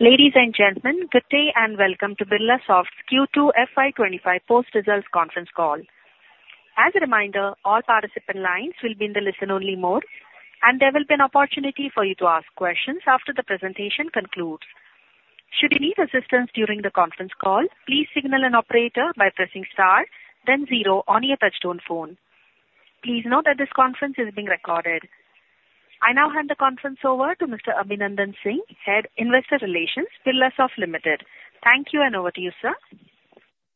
Ladies and gentlemen, good day, and welcome to Birlasoft's Q2 FY 2025 post-results conference call. As a reminder, all participant lines will be in the listen-only mode, and there will be an opportunity for you to ask questions after the presentation concludes. Should you need assistance during the conference call, please signal an operator by pressing star then zero on your touchtone phone. Please note that this conference is being recorded. I now hand the conference over to Mr. Abhinandan Singh, Head of Investor Relations, Birlasoft Limited. Thank you, and over to you, sir.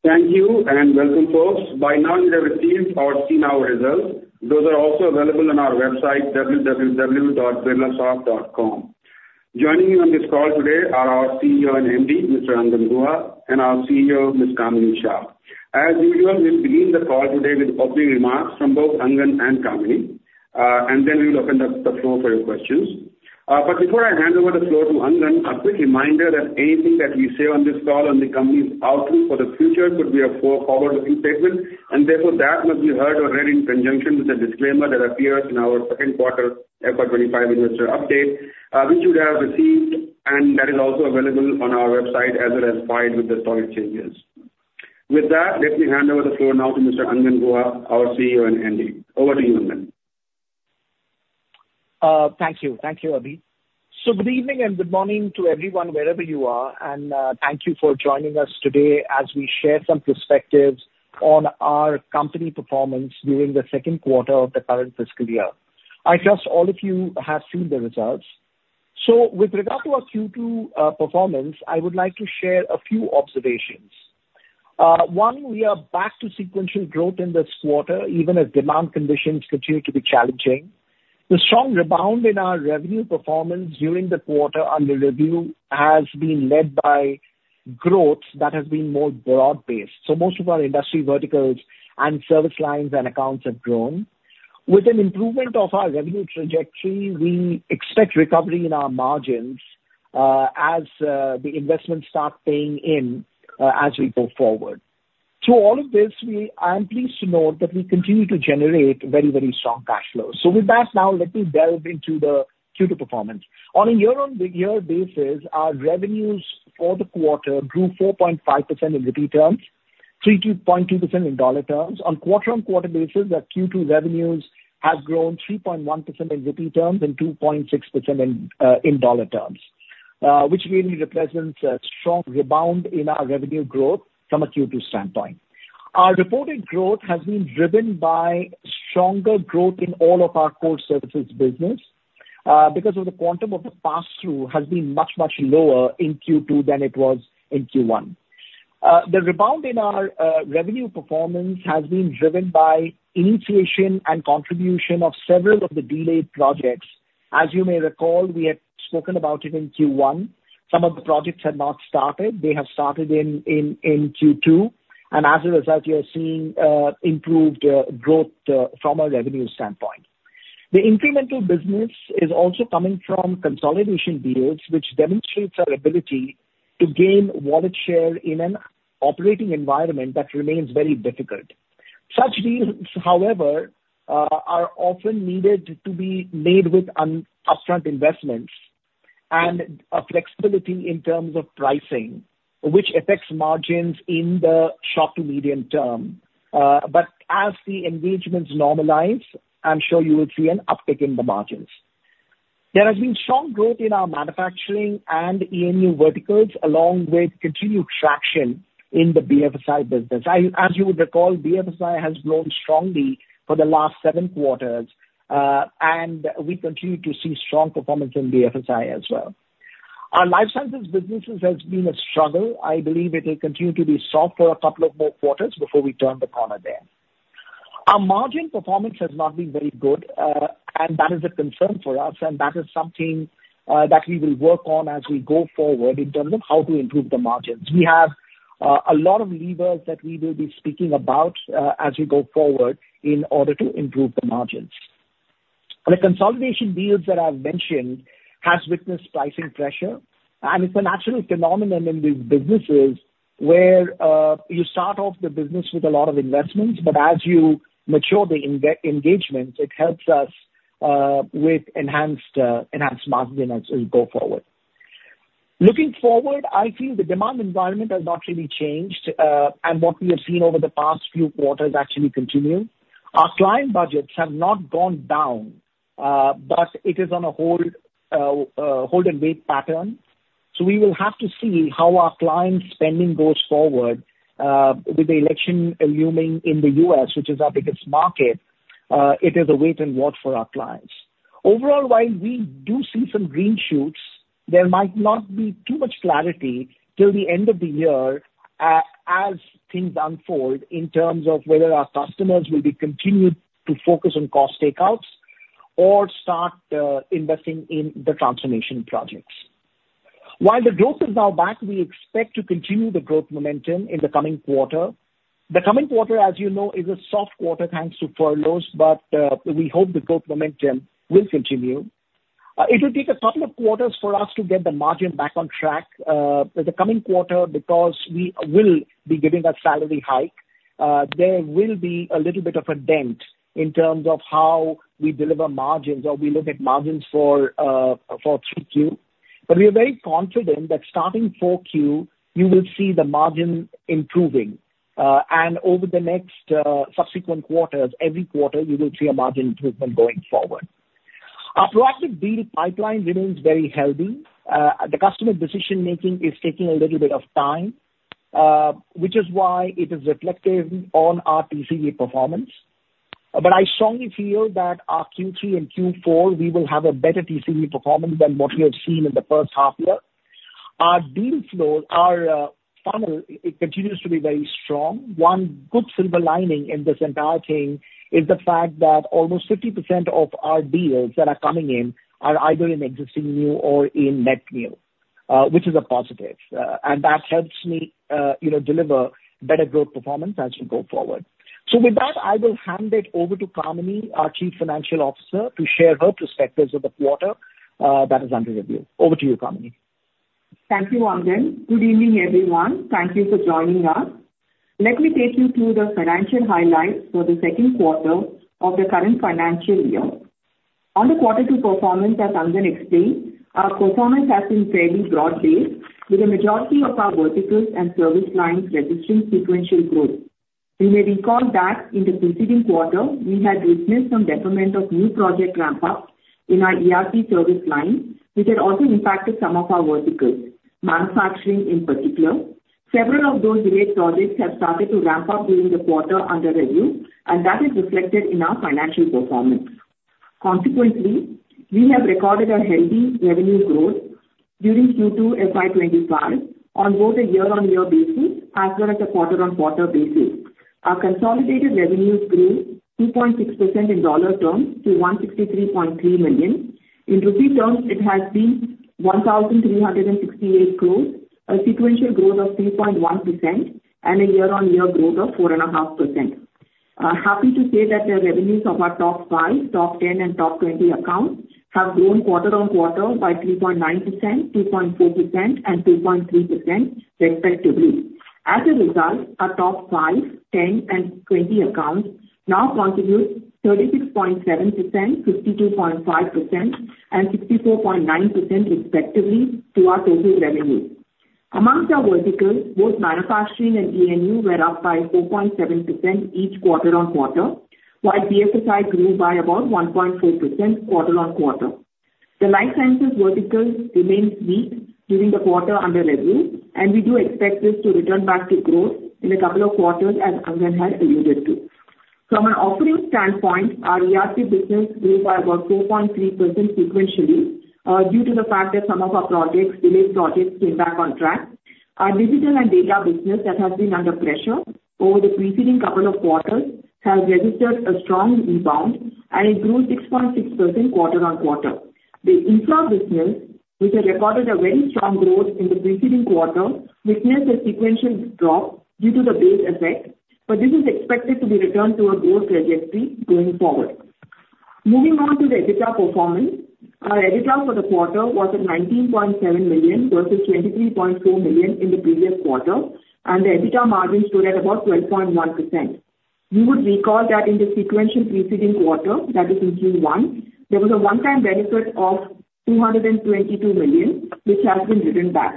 Thank you, and welcome, folks. By now, you have received our Q2 results. Those are also available on our website, www.birlasoft.com. Joining me on this call today are our CEO and MD, Mr. Angan Guha, and our CFO, Ms. Kamini Shah. As usual, we'll begin the call today with opening remarks from both Angan and Kamini. And then we will open up the floor for your questions. But before I hand over the floor to Angan, a quick reminder that anything that we say on this call on the company's outlook for the future could be a forward-looking statement, and therefore, that must be heard or read in conjunction with the disclaimer that appears in our second quarter FY 2025 investor update, which you would have received, and that is also available on our website as well as filed with the stock exchanges. With that, let me hand over the floor now to Mr. Angan Guha, our CEO and MD. Over to you, Angan. Thank you. Thank you, Abhi. So good evening, and good morning to everyone, wherever you are, and thank you for joining us today as we share some perspectives on our company performance during the second quarter of the current fiscal year. I trust all of you have seen the results. So with regard to our Q2 performance, I would like to share a few observations. One, we are back to sequential growth in this quarter, even as demand conditions continue to be challenging. The strong rebound in our revenue performance during the quarter on the revenue has been led by growth that has been more broad-based, so most of our industry verticals and service lines and accounts have grown. With an improvement of our revenue trajectory, we expect recovery in our margins, as the investments start paying in, as we go forward. Through all of this, I am pleased to note that we continue to generate very, very strong cash flows. So with that, now let me delve into the Q2 performance. On a year-on-year basis, our revenues for the quarter grew 4.5% in rupee terms, 3.2% in dollar terms. On quarter-on-quarter basis, our Q2 revenues have grown 3.1% in rupee terms and 2.6% in dollar terms, which really represents a strong rebound in our revenue growth from a Q2 standpoint. Our reported growth has been driven by stronger growth in all of our core services business, because of the quantum of the pass-through has been much, much lower in Q2 than it was in Q1. The rebound in our revenue performance has been driven by initiation and contribution of several of the delayed projects. As you may recall, we had spoken about it in Q1. Some of the projects had not started. They have started in Q2, and as a result, we are seeing improved growth from a revenue standpoint. The incremental business is also coming from consolidation deals, which demonstrates our ability to gain wallet share in an operating environment that remains very difficult. Such deals, however, are often needed to be made with upfront investments and a flexibility in terms of pricing, which affects margins in the short to medium term. But as the engagements normalize, I'm sure you will see an uptick in the margins. There has been strong growth in our Manufacturing and E&U verticals, along with continued traction in the BFSI business. As you would recall, BFSI has grown strongly for the last seven quarters, and we continue to see strong performance in BFSI as well. Our Life Sciences businesses has been a struggle. I believe it will continue to be soft for a couple of more quarters before we turn the corner there. Our margin performance has not been very good, and that is a concern for us, and that is something that we will work on as we go forward in terms of how to improve the margins. We have a lot of levers that we will be speaking about, as we go forward in order to improve the margins. The consolidation deals that I've mentioned has witnessed pricing pressure, and it's a natural phenomenon in these businesses where you start off the business with a lot of investments, but as you mature the engagement, it helps us with enhanced margin as we go forward. Looking forward, I feel the demand environment has not really changed, and what we have seen over the past few quarters actually continue. Our client budgets have not gone down, but it is on a hold-and-wait pattern, so we will have to see how our client spending goes forward. With the election looming in the U.S., which is our biggest market, it is a wait-and-watch for our clients. Overall, while we do see some green shoots, there might not be too much clarity till the end of the year as things unfold in terms of whether our customers will be continued to focus on cost takeouts or start investing in the transformation projects. While the growth is now back, we expect to continue the growth momentum in the coming quarter. The coming quarter, as you know, is a soft quarter, thanks to furloughs, but we hope the growth momentum will continue. It will take a couple of quarters for us to get the margin back on track, the coming quarter, because we will be giving a salary hike. There will be a little bit of a dent in terms of how we deliver margins or we look at margins for Q3. But we are very confident that starting Q4, you will see the margin improving. And over the next subsequent quarters, every quarter you will see a margin improvement going forward. Our proactive deal pipeline remains very healthy. The customer decision-making is taking a little bit of time, which is why it is reflective on our TCV performance. But I strongly feel that our Q3 and Q4, we will have a better TCV performance than what we have seen in the first half year. Our deal flow, our funnel, it continues to be very strong. One good silver lining in this entire thing is the fact that almost 50% of our deals that are coming in are either in existing new or in net new, which is a positive. That helps me, you know, deliver better growth performance as we go forward. So with that, I will hand it over to Kamini, our Chief Financial Officer, to share her perspectives of the quarter, that is under review. Over to you, Kamini. Thank you, Angan. Good evening, everyone. Thank you for joining us. Let me take you through the financial highlights for the second quarter of the current financial year. On the quarter two performance as Angan explained, our performance has been fairly broad-based, with the majority of our verticals and service lines registering sequential growth. You may recall that in the preceding quarter, we had witnessed some deferment of new project ramp-up in our ERP service line, which had also impacted some of our verticals, manufacturing in particular. Several of those delayed projects have started to ramp up during the quarter under review, and that is reflected in our financial performance. Consequently, we have recorded a healthy revenue growth during Q2 FY 2025 on both a year-on-year basis as well as a quarter-on-quarter basis. Our consolidated revenues grew 2.6% in dollar terms to $163.3 million. In INR terms, it has been 1,368 crores, a sequential growth of 3.1% and a year-on-year growth of 4.5%. I'm happy to say that the revenues of our top five, top 10, and top 20 accounts have grown quarter-on-quarter by 3.9%, 2.4%, and 2.3% respectively. As a result, our top five, 10, and 20 accounts now contribute 36.7%, 52.5%, and 64.9% respectively to our total revenue. Amongst our verticals, both Manufacturing and E&U were up by 4.7% each quarter-on-quarter, while BFSI grew by about 1.4% quarter on quarter. The Life Sciences vertical remains weak during the quarter under review, and we do expect this to return back to growth in a couple of quarters, as Angan had alluded to. From an operating standpoint, our ERP business grew by about 2.3% sequentially, due to the fact that some of our projects, delayed projects, came back on track. Our Digital and Data business that has been under pressure over the preceding couple of quarters, has registered a strong rebound and it grew 6.6% quarter-on-quarter. The Infra business, which had recorded a very strong growth in the preceding quarter, witnessed a sequential drop due to the base effect, but this is expected to be returned to a growth trajectory going forward. Moving on to the EBITDA performance. Our EBITDA for the quarter was at $19.7 million versus $23.4 million in the previous quarter, and the EBITDA margin stood at about 12.1%. You would recall that in the sequential preceding quarter, that is in Q1, there was a one-time benefit of 222 million, which has been given back.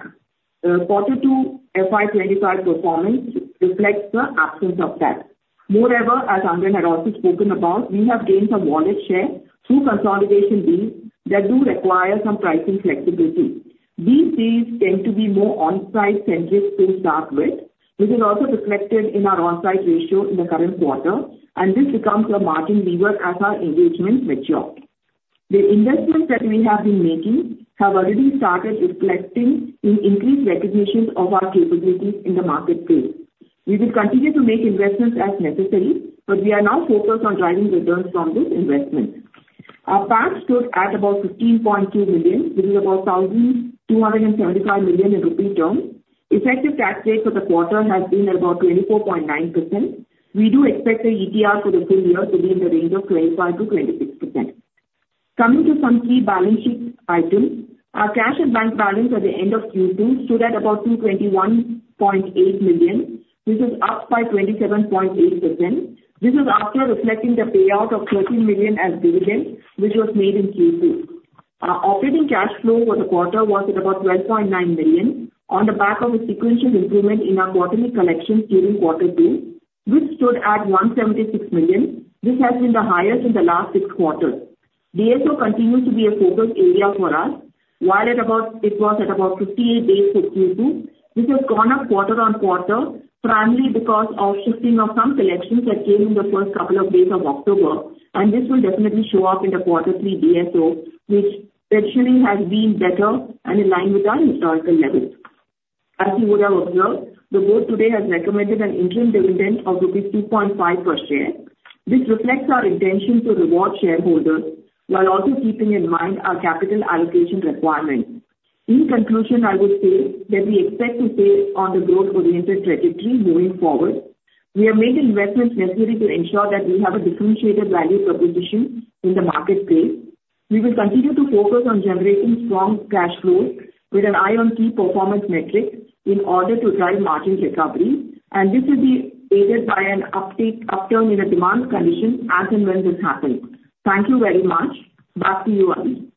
Quarter two FY 2025 performance reflects the absence of that. Moreover, as Angan had also spoken about, we have gained some wallet share through consolidation deals that do require some pricing flexibility. These deals tend to be more on-site centric to start with, which is also reflected in our on-site ratio in the current quarter, and this becomes a margin lever as our engagements mature. The investments that we have been making have already started reflecting in increased recognitions of our capabilities in the market space. We will continue to make investments as necessary, but we are now focused on driving returns from these investments. Our cash stood at about $15.2 million, which is about 1,275 million in rupee terms. Effective tax rate for the quarter has been about 24.9%. We do expect the ETR for the full year to be in the range of 25%-26%. Coming to some key balance sheet items. Our cash and bank balance at the end of Q2 stood at about $221.8 million, which is up by 27.8%. This is after reflecting the payout of $13 million as dividends, which was made in Q2. Our operating cash flow for the quarter was at about $12.9 million on the back of a sequential improvement in our quarterly collections during quarter two, which stood at $176 million. This has been the highest in the last six quarters. DSO continues to be a focus area for us, while it was at about 58 days for Q2. This has gone up quarter-on-quarter, primarily because of shifting of some collections that came in the first couple of days of October, and this will definitely show up in the quarter three DSO, which traditionally has been better and in line with our historical levels. As you would have observed, the board today has recommended an interim dividend of 2.5 per share. This reflects our intention to reward shareholders, while also keeping in mind our capital allocation requirements. In conclusion, I would say that we expect to stay on the growth-oriented trajectory moving forward. We have made investments necessary to ensure that we have a differentiated value proposition in the market space. We will continue to focus on generating strong cash flow with an eye on key performance metrics in order to drive margin recovery, and this will be aided by an upturn in the demand conditions as and when this happens. Thank you very much. Back to you, Abhi.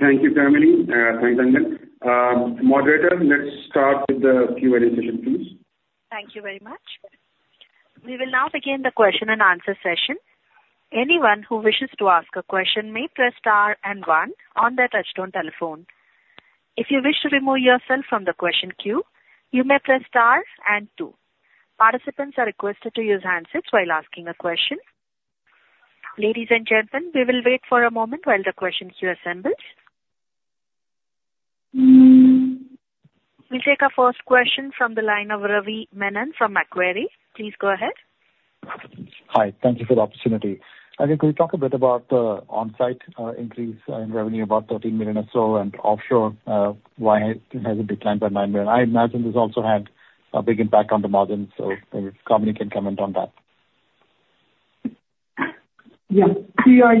Thank you, Kamini, thanks, Angan. Moderator, let's start with the Q&A session, please. Thank you very much. We will now begin the question and answer session. Anyone who wishes to ask a question may press star and one on their touchtone telephone. If you wish to remove yourself from the question queue, you may press star and two. Participants are requested to use handsets while asking a question. Ladies and gentlemen, we will wait for a moment while the question queue assembles. We'll take our first question from the line of Ravi Menon from Macquarie. Please go ahead. Hi. Thank you for the opportunity. I think we talked a bit about the onsite increase in revenue, about $13 million or so, and offshore why it has declined by $9 million. I imagine this also had a big impact on the margins, so if Kamini can comment on that. Yeah,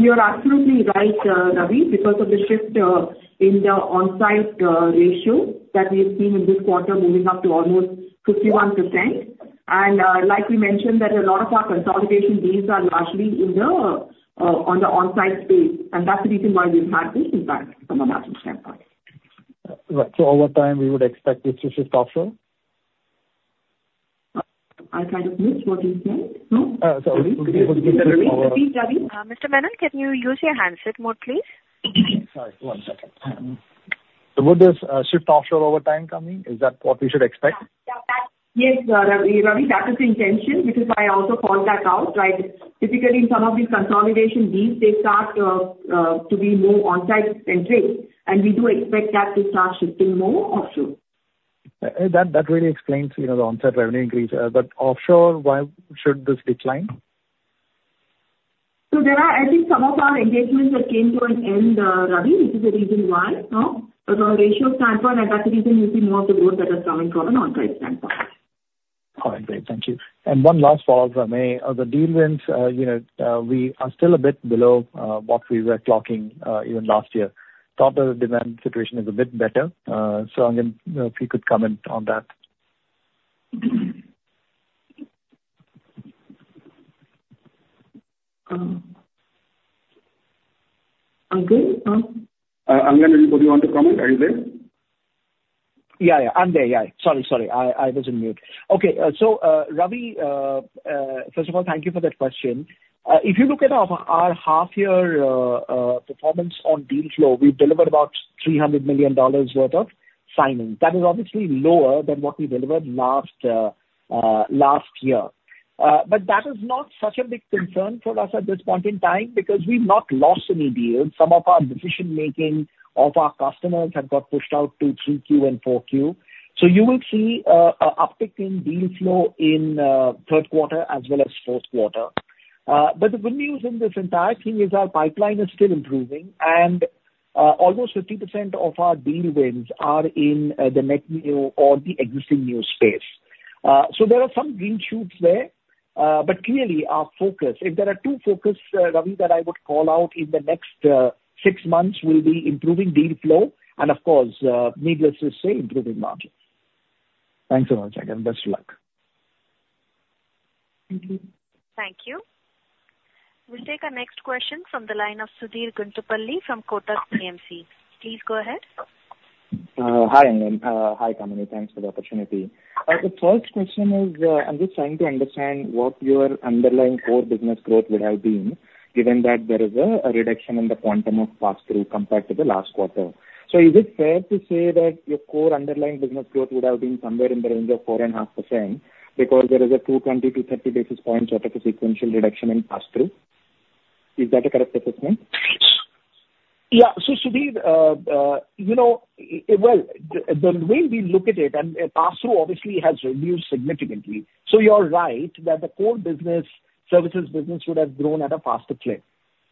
you are absolutely right, Ravi, because of the shift in the onsite ratio that we've seen in this quarter, moving up to almost 51%. Like we mentioned, a lot of our consolidation deals are largely in the onsite space, and that's the reason why we've had this impact from a margin standpoint. Right. So over time, we would expect this to shift offshore? I kind of missed what you said. No? Uh, sorry. Mr. Menon, can you use your handset mode, please? Sorry, one second. So would this shift offshore over time, Kamini? Is that what we should expect? Yeah. Yes, Ravi, that is the intention, which is why I also called that out, right? Typically, in some of these consolidation deals, they start to be more onsite-centric, and we do expect that to start shifting more offshore. That really explains, you know, the onsite revenue increase, but offshore, why should this decline? So there are, I think, some of our engagements that came to an end, Ravi, which is the reason why, you know, from a ratio standpoint, and that's the reason you see more of the growth that is coming from an onsite standpoint. All right, great. Thank you. And one last follow-up for me. On the deal wins, you know, we are still a bit below what we were clocking even last year. Though the demand situation is a bit better. So, Angan, you know, if you could comment on that. Angan? Angan, would you want to comment? Are you there? Yeah, yeah, I'm there. Yeah. Sorry, sorry, I was on mute. Okay. So, Ravi, first of all, thank you for that question. If you look at our half year performance on deal flow, we've delivered about $300 million worth of signings. That is obviously lower than what we delivered last year. But that is not such a big concern for us at this point in time, because we've not lost any deals. Some of our decision-making of our customers have got pushed out to Q3 and Q4. So you will see an uptick in deal flow in third quarter as well as fourth quarter. But the good news in this entire thing is our pipeline is still improving, and almost 50% of our deal wins are in the net new or the existing new space. So there are some green shoots there, but clearly our focus, if there are two focus, Ravi, that I would call out in the next six months, will be improving deal flow and of course, needless to say, improving margins. Thanks so much, Angan. Best of luck. Thank you. Thank you. We'll take our next question from the line of Sudhir Guntupalli from Kotak AMC. Please go ahead. Hi, Angan. Hi, Kamini. Thanks for the opportunity. The first question is, I'm just trying to understand what your underlying core business growth would have been, given that there is a reduction in the quantum of pass-through compared to the last quarter. So is it fair to say that your core underlying business growth would have been somewhere in the range of 4.5% because there is a 20-30 basis points out of a sequential reduction in pass-through? Is that a correct assessment? Yeah. So, Sudhir, you know, well, the way we look at it, and, pass-through obviously has reduced significantly. So you are right, that the core business, services business would have grown at a faster clip.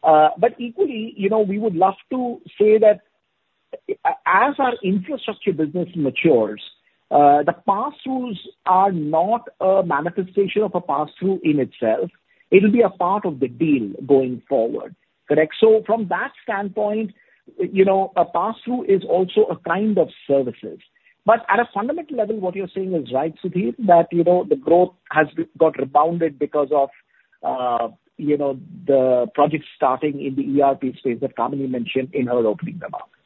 But equally, you know, we would love to say that, as our infrastructure business matures, the pass-throughs are not a manifestation of a pass-through in itself. It'll be a part of the deal going forward, correct? So from that standpoint, you know, a pass-through is also a kind of services. But at a fundamental level, what you're saying is right, Sudhir, that, you know, the growth has got rebounded because of, you know, the project starting in the ERP space that Kamini mentioned in her opening remarks.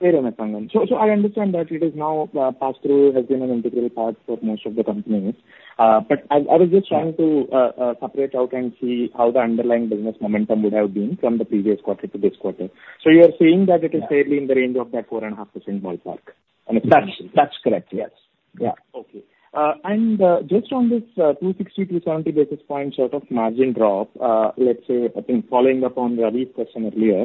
Fair enough, Angan. So I understand that it is now pass-through has been an integral part for most of the companies. But I was just trying to separate out and see how the underlying business momentum would have been from the previous quarter to this quarter. So you are saying that it is fairly in the range of that 4.5% ballpark? That's, that's correct, yes. Yeah. Okay. And just on this 260-70 basis points worth of margin drop, let's say I think following up on Ravi's question earlier,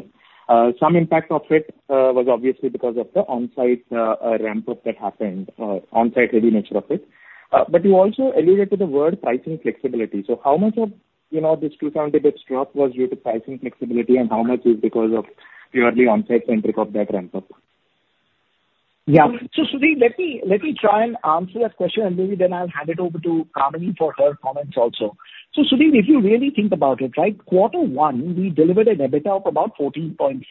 some impact of it was obviously because of the onsite ramp-up that happened, onsite heavy nature of it. But you also alluded to the word pricing flexibility. So how much of, you know, this 200 basis points drop was due to pricing flexibility, and how much is because of purely onsite-centric of that ramp-up? Yeah. So, Sudhir, let me try and answer that question, and maybe then I'll hand it over to Kamini for her comments also. So, Sudhir, if you really think about it, right, quarter one, we delivered an EBITDA of about 14.7%,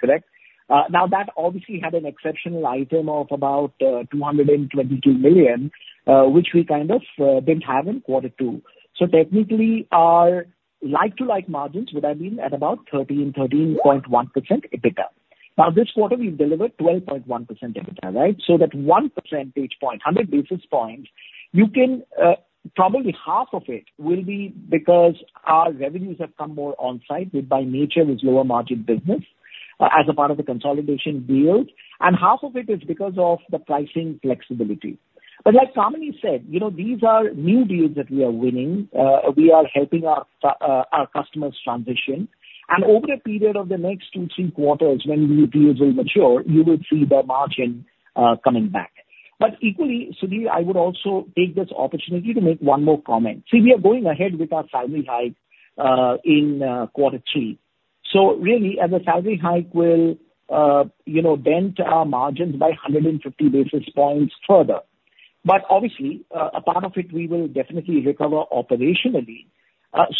correct? Now, that obviously had an exceptional item of about 222 million, which we kind of didn't have in quarter two. So technically, our like-to-like margins would have been at about 13%, 13.1% EBITDA. Now, this quarter, we've delivered 12.1% EBITDA, right? So that one percentage point, 100 basis points, you can probably half of it will be because our revenues have come more on-site, which by nature is lower margin business, as a part of the consolidation deals, and half of it is because of the pricing flexibility. But like Kamini said, you know, these are new deals that we are winning. We are helping our customers transition. And over a period of the next two, three quarters, when new deals will mature, you will see the margin coming back. But equally, Sudhir, I would also take this opportunity to make one more comment. See, we are going ahead with our salary hike in quarter three. So really, as the salary hike will, you know, dent our margins by 150 basis points further, but obviously, a part of it we will definitely recover operationally.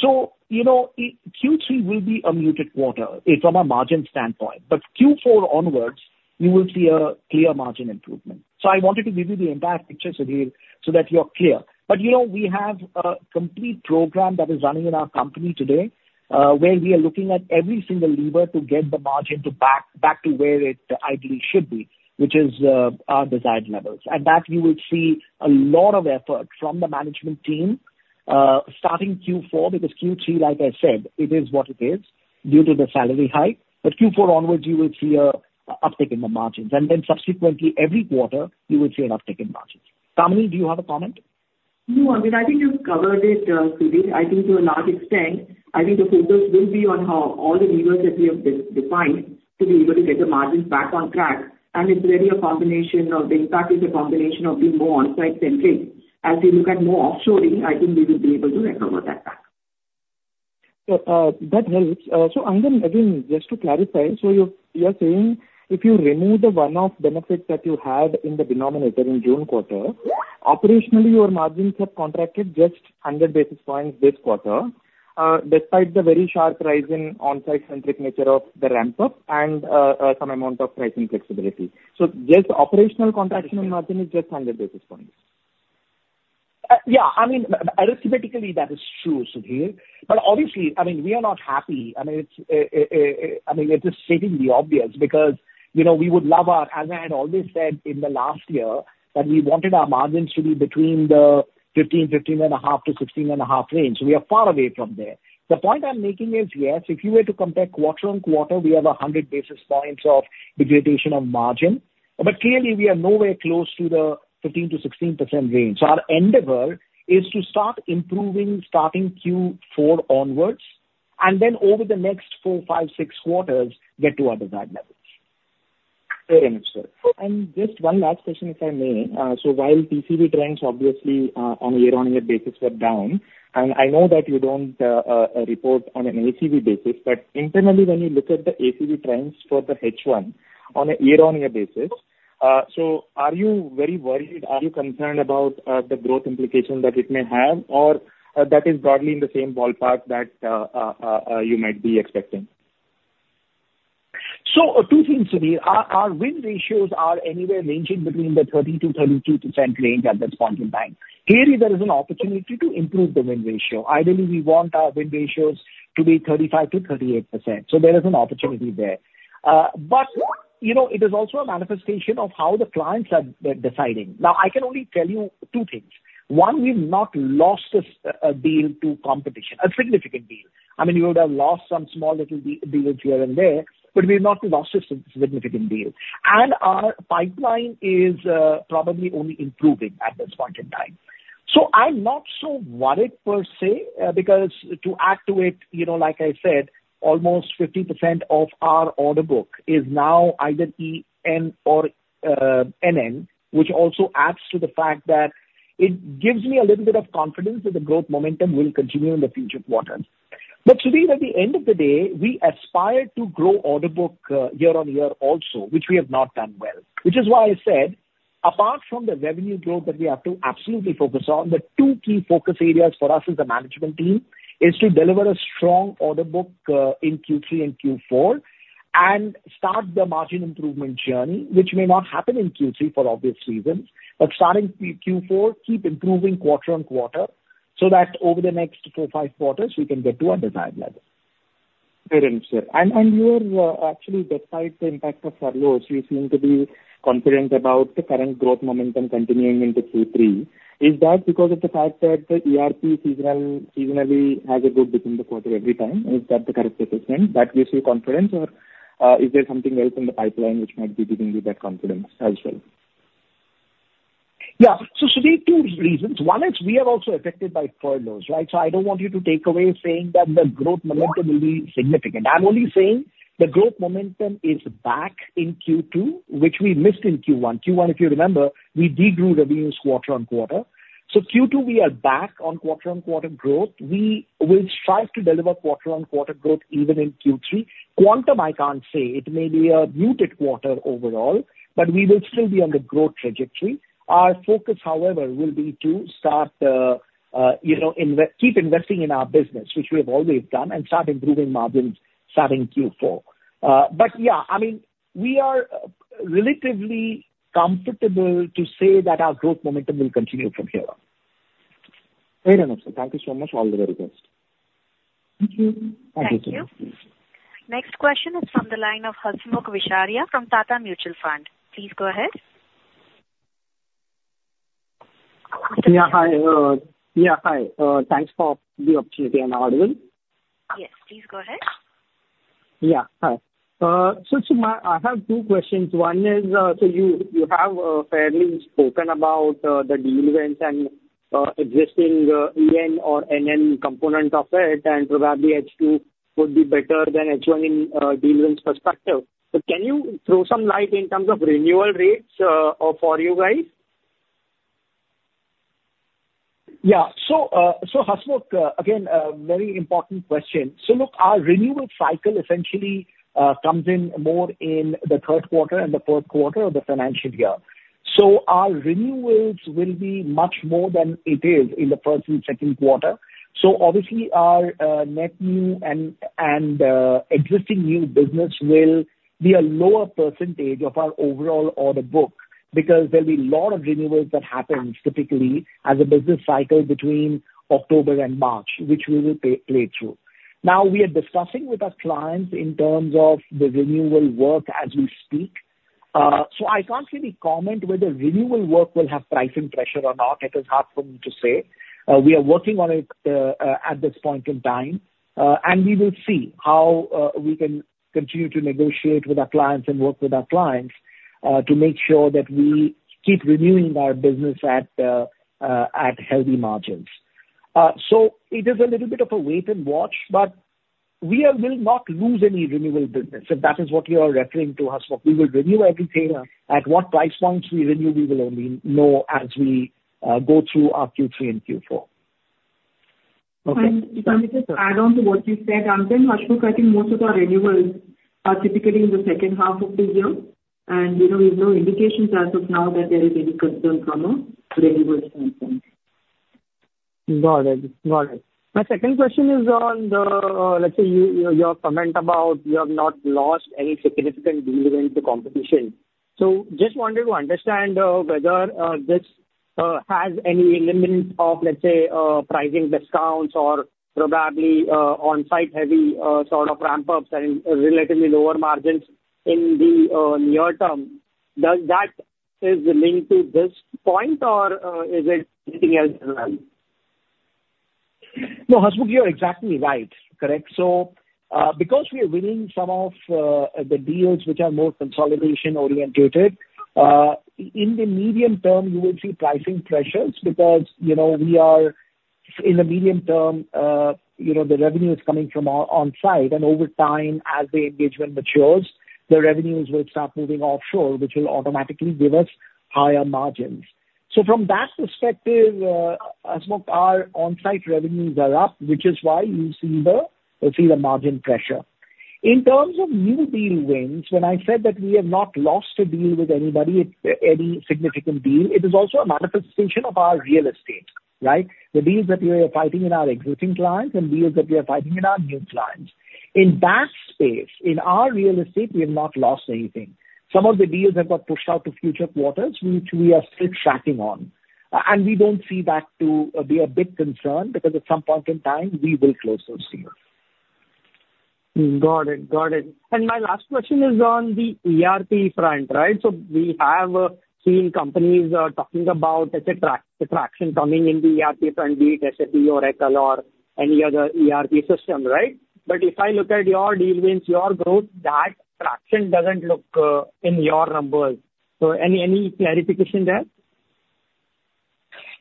So, you know, Q3 will be a muted quarter, from a margin standpoint, but Q4 onwards, you will see a clear margin improvement. I wanted to give you the entire picture, Sudhir, so that you're clear. But, you know, we have a complete program that is running in our company today, where we are looking at every single lever to get the margin back to where it ideally should be, which is, our desired levels. At that, you will see a lot of effort from the management team, starting Q4, because Q3, like I said, it is what it is, due to the salary hike. But Q4 onwards, you will see an uptick in the margins, and then subsequently, every quarter, you will see an uptick in margins. Kamini, do you have a comment? No, I mean, I think you've covered it, Sudhir. I think to a large extent, I think the focus will be on how all the levers that we have defined to be able to get the margins back on track, and it's really a combination of the impact, is a combination of being more on-site centric. As we look at more offshoring, I think we will be able to recover that back. So, that helps. So, Angan, again, just to clarify, so you are saying if you remove the one-off benefit that you had in the denominator in June quarter, operationally, your margins have contracted just hundred basis points this quarter, despite the very sharp rise in on-site centric nature of the ramp-up and, some amount of pricing flexibility. So just operational contraction on margin is just hundred basis points? Yeah. I mean, arithmetically, that is true, Sudhir. But obviously, I mean, we are not happy. I mean, it's. I mean, it is stating the obvious because, you know, we would love our. As I had always said in the last year, that we wanted our margins to be between 15%, 15.5%-16.5% range. We are far away from there. The point I'm making is, yes, if you were to compare quarter on quarter, we have 100 basis points of degradation of margin, but clearly, we are nowhere close to the 15% to 16% range. So our endeavor is to start improving, starting Q4 onwards, and then over the next four, five, six quarters, get to our desired levels. Very much, sir. And just one last question, if I may. So while TCV trends obviously, on a year-on-year basis were down, and I know that you don't report on an ACV basis, but internally, when you look at the ACV trends for the H1 on a year-on-year basis, so are you very worried? Are you concerned about the growth implication that it may have, or that is broadly in the same ballpark that you might be expecting? So two things, Sudhir. Our win ratios are anywhere ranging between the 30%-32% range at this point in time. Clearly, there is an opportunity to improve the win ratio. Ideally, we want our win ratios to be 35%-38%, so there is an opportunity there. But, you know, it is also a manifestation of how the clients are deciding. Now, I can only tell you two things. One, we've not lost a deal to competition, a significant deal. I mean, you would have lost some small little deals here and there, but we've not lost a significant deal. And our pipeline is probably only improving at this point in time. So I'm not so worried per se, because to activate, you know, like I said, almost 50% of our order book is now either EN or NN, which also adds to the fact that it gives me a little bit of confidence that the growth momentum will continue in the future quarters. But Sudhir, at the end of the day, we aspire to grow order book year-on-year also, which we have not done well, which is why I said, apart from the revenue growth that we have to absolutely focus on. The two key focus areas for us as a management team is to deliver a strong order book in Q3 and Q4, and start the margin improvement journey, which may not happen in Q3 for obvious reasons. But starting Q4, keep improving quarter on quarter, so that over the next four, five quarters, we can get to our desired level. Very much, sir. And you're actually, despite the impact of furloughs, you seem to be confident about the current growth momentum continuing into Q3. Is that because of the fact that the ERP seasonally has a dip in the quarter every time? Is that the correct assessment that gives you confidence, or is there something else in the pipeline which might be giving you that confidence as well? Yeah. So Sudhir, two reasons. One is we are also affected by furloughs, right? So I don't want you to take away saying that the growth momentum will be significant. I'm only saying the growth momentum is back in Q2, which we missed in Q1. Q1, if you remember, we de-grew revenues quarter-on-quarter. So Q2, we are back on quarter-on-quarter growth. We will strive to deliver quarter-on-quarter growth even in Q3. Quantum, I can't say. It may be a muted quarter overall, but we will still be on the growth trajectory. Our focus, however, will be to start, you know, keep investing in our business, which we have always done, and start improving margins starting Q4. But yeah, I mean, we are relatively comfortable to say that our growth momentum will continue from here on. Very well, sir. Thank you so much. All the very best. Thank you. Thank you. Next question is from the line of Hasmukh Vishariya from Tata Mutual Fund. Please go ahead. Yeah, hi. Thanks for the opportunity. Am I audible? Yes, please go ahead. Yeah. Hi, so, Sir, I have two questions. One is, so you have fairly spoken about the deal wins and existing and NN component of it, and probably H2 would be better than H1 in deal wins perspective. So can you throw some light in terms of renewal rates for you guys? Yeah. So, so Hasmukh, again, a very important question. So look, our renewal cycle essentially comes in more in the third quarter and the fourth quarter of the financial year. So our renewals will be much more than it is in the first and second quarter. So obviously, our net new and existing new business will be a lower percentage of our overall order book, because there'll be a lot of renewals that happens typically as a business cycle between October and March, which we will play through. Now, we are discussing with our clients in terms of the renewal work as we speak. So I can't really comment whether renewal work will have pricing pressure or not. It is hard for me to say. We are working on it at this point in time, and we will see how we can continue to negotiate with our clients and work with our clients to make sure that we keep renewing our business at healthy margins. So it is a little bit of a wait and watch, but we will not lose any renewal business, if that is what you are referring to, Hasmukh. We will renew everything. At what price points we renew, we will only know as we go through our Q3 and Q4. Okay. And can we just add on to what you said, and then, Hasmukh, I think most of our renewals are typically in the second half of this year. And, you know, we have no indications as of now that there is any concern from a renewal standpoint. Got it. Got it. My second question is on the, let's say, your comment about you have not lost any significant deal into competition. So just wanted to understand, whether, this, has any element of, let's say, pricing discounts or probably, on-site heavy, sort of ramp-ups and relatively lower margins in the, near term. Does that is linked to this point, or, is it anything else as well? No, Hasmukh, you're exactly right. Correct. So, because we are winning some of the deals which are more consolidation-orientated in the medium term, you will see pricing pressures because, you know, in the medium term, you know, the revenue is coming from our on-site, and over time, as the engagement matures, the revenues will start moving offshore, which will automatically give us higher margins. So from that perspective, Hasmukh, our on-site revenues are up, which is why you see the, you see the margin pressure. In terms of new deal wins, when I said that we have not lost a deal with anybody, any significant deal, it is also a manifestation of our real strength, right? The deals that we are fighting in our existing clients and deals that we are fighting in our new clients. In that space, in our real estate, we have not lost anything. Some of the deals have got pushed out to future quarters, which we are still tracking on. And we don't see that to be a big concern because at some point in time, we will close those deals. Got it. Got it. And my last question is on the ERP front, right? So we have seen companies talking about, let's say, the traction coming in the ERP front, be it SAP or Oracle or any other ERP system, right? But if I look at your deal wins, your growth, that traction doesn't look in your numbers. So any clarification there?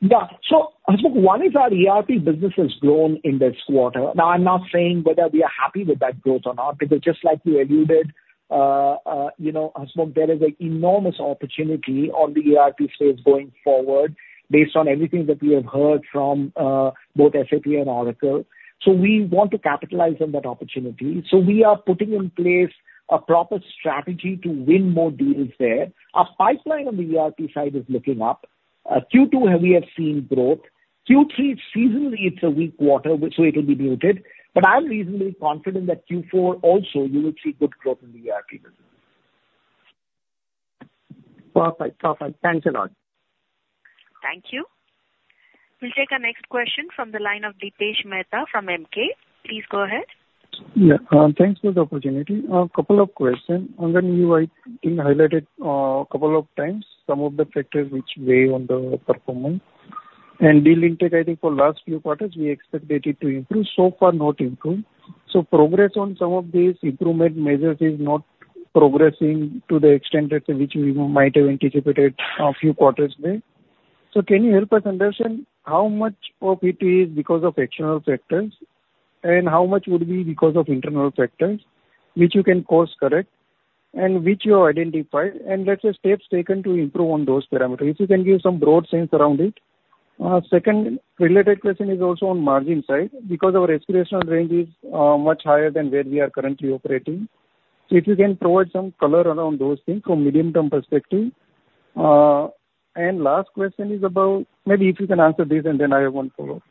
Yeah. So, Hasmukh, one is our ERP business has grown in this quarter. Now, I'm not saying whether we are happy with that growth or not, because just like you alluded, you know, Hasmukh, there is an enormous opportunity on the ERP space going forward based on everything that we have heard from both SAP and Oracle. So we want to capitalize on that opportunity. So we are putting in place a proper strategy to win more deals there. Our pipeline on the ERP side is looking up. Q2, we have seen growth. Q3, seasonally, it's a weak quarter, which so it will be diluted, but I'm reasonably confident that Q4 also you will see good growth in the ERP business. Perfect. Perfect. Thanks a lot. Thank you. We'll take our next question from the line of Dipesh Mehta from Emkay. Please go ahead. Yeah, thanks for the opportunity. A couple of questions. Again, you, I think, highlighted a couple of times some of the factors which weigh on the performance. And deal intake, I think for last few quarters, we expected it to improve. So far, not improved. So progress on some of these improvement measures is not progressing to the extent at which we might have anticipated a few quarters back. So can you help us understand how much of it is because of external factors, and how much would be because of internal factors, which you can course correct and which you have identified, and let's say, steps taken to improve on those parameters? If you can give some broad sense around it. Second related question is also on margin side, because our expectation range is much higher than where we are currently operating. So if you can provide some color around those things from medium-term perspective. And last question is about... Maybe if you can answer this, and then I have one follow-up.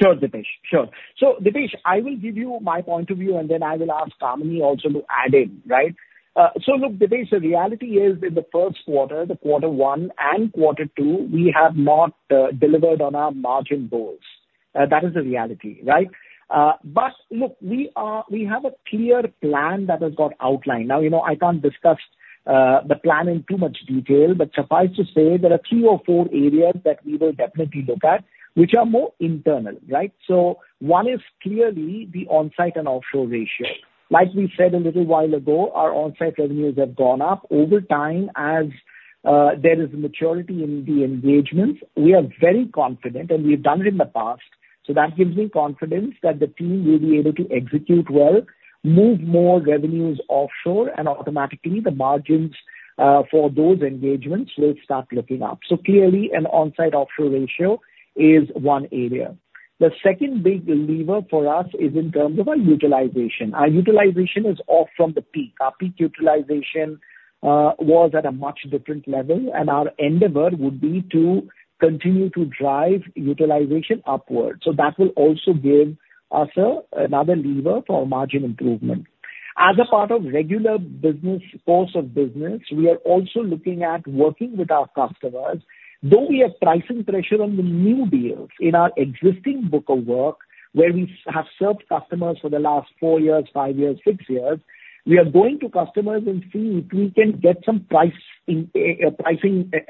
...Sure, Dipesh. Sure. So Dipesh, I will give you my point of view, and then I will ask Kamini also to add in, right? So look, Dipesh, the reality is, in the first quarter, the quarter one and quarter two, we have not delivered on our margin goals. That is the reality, right? But look, we are, we have a clear plan that has got outlined. Now, you know, I can't discuss the plan in too much detail, but suffice to say, there are three or four areas that we will definitely look at which are more internal, right? So one is clearly the on-site and offshore ratio. Like we said a little while ago, our on-site revenues have gone up over time as there is maturity in the engagements. We are very confident, and we've done it in the past, so that gives me confidence that the team will be able to execute well, move more revenues offshore, and automatically, the margins, for those engagements will start looking up. So clearly, an on-site/offshore ratio is one area. The second big lever for us is in terms of our utilization. Our utilization is off from the peak. Our peak utilization was at a much different level, and our endeavor would be to continue to drive utilization upwards. So that will also give us a, another lever for margin improvement. As a part of regular business, course of business, we are also looking at working with our customers, though we have pricing pressure on the new deals. In our existing book of work, where we have served customers for the last four years, five years, six years, we are going to customers and see if we can get some pricing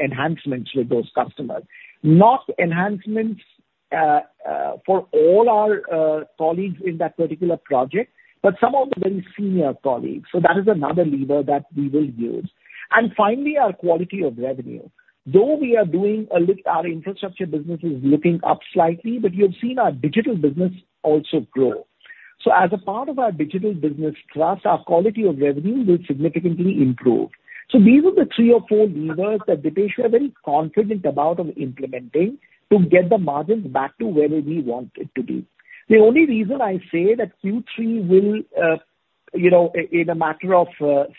enhancements with those customers. Not enhancements, for all our colleagues in that particular project, but some of the very senior colleagues, so that is another lever that we will use. Finally, our quality of revenue. Though we are doing a little, our infrastructure business is looking up slightly, but you have seen our digital business also grow. As a part of our digital business thrust, our quality of revenue will significantly improve. These are the three or four levers that, Dipesh, we are very confident about implementing to get the margins back to where we want it to be. The only reason I say that Q3 will, you know, in a matter of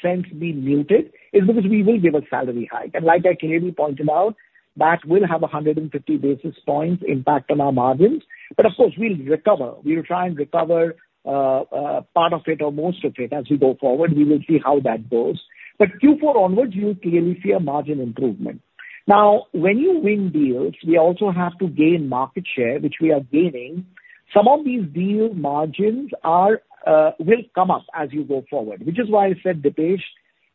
sense, be muted, is because we will give a salary hike. And like I clearly pointed out, that will have 150 basis points impact on our margins. But of course, we'll recover. We will try and recover, part of it or most of it as we go forward. We will see how that goes. But Q4 onwards, you will clearly see a margin improvement. Now, when you win deals, we also have to gain market share, which we are gaining. Some of these deal margins are, will come up as you go forward, which is why I said, Dipesh,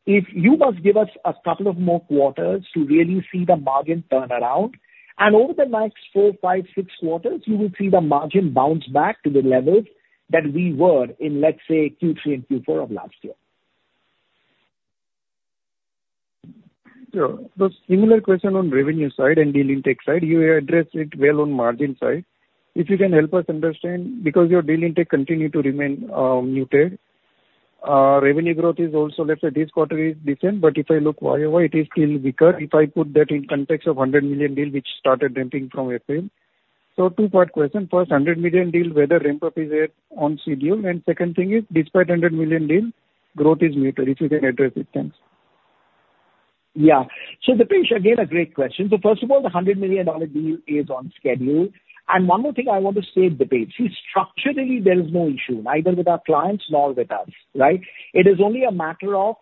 if you must give us a couple of more quarters to really see the margin turn around, and over the next four, five, six quarters, you will see the margin bounce back to the levels that we were in, let's say, Q3 and Q4 of last year. Sure. The similar question on revenue side and deal intake side, you addressed it well on margin side. If you can help us understand, because your deal intake continues to remain muted, revenue growth is also, let's say, this quarter is different, but if I look YoY, it is still weaker. If I put that in context of $100 million deal which started ramping from April. So two-part question: First, $100 million deal, whether ramp-up is on schedule, and second thing is, despite $100 million deal, growth is muted. If you can address it, thanks. Yeah. So Dipesh, again, a great question. So first of all, the $100 million deal is on schedule. And one more thing I want to state, Dipesh, see, structurally, there is no issue, neither with our clients nor with us, right? It is only a matter of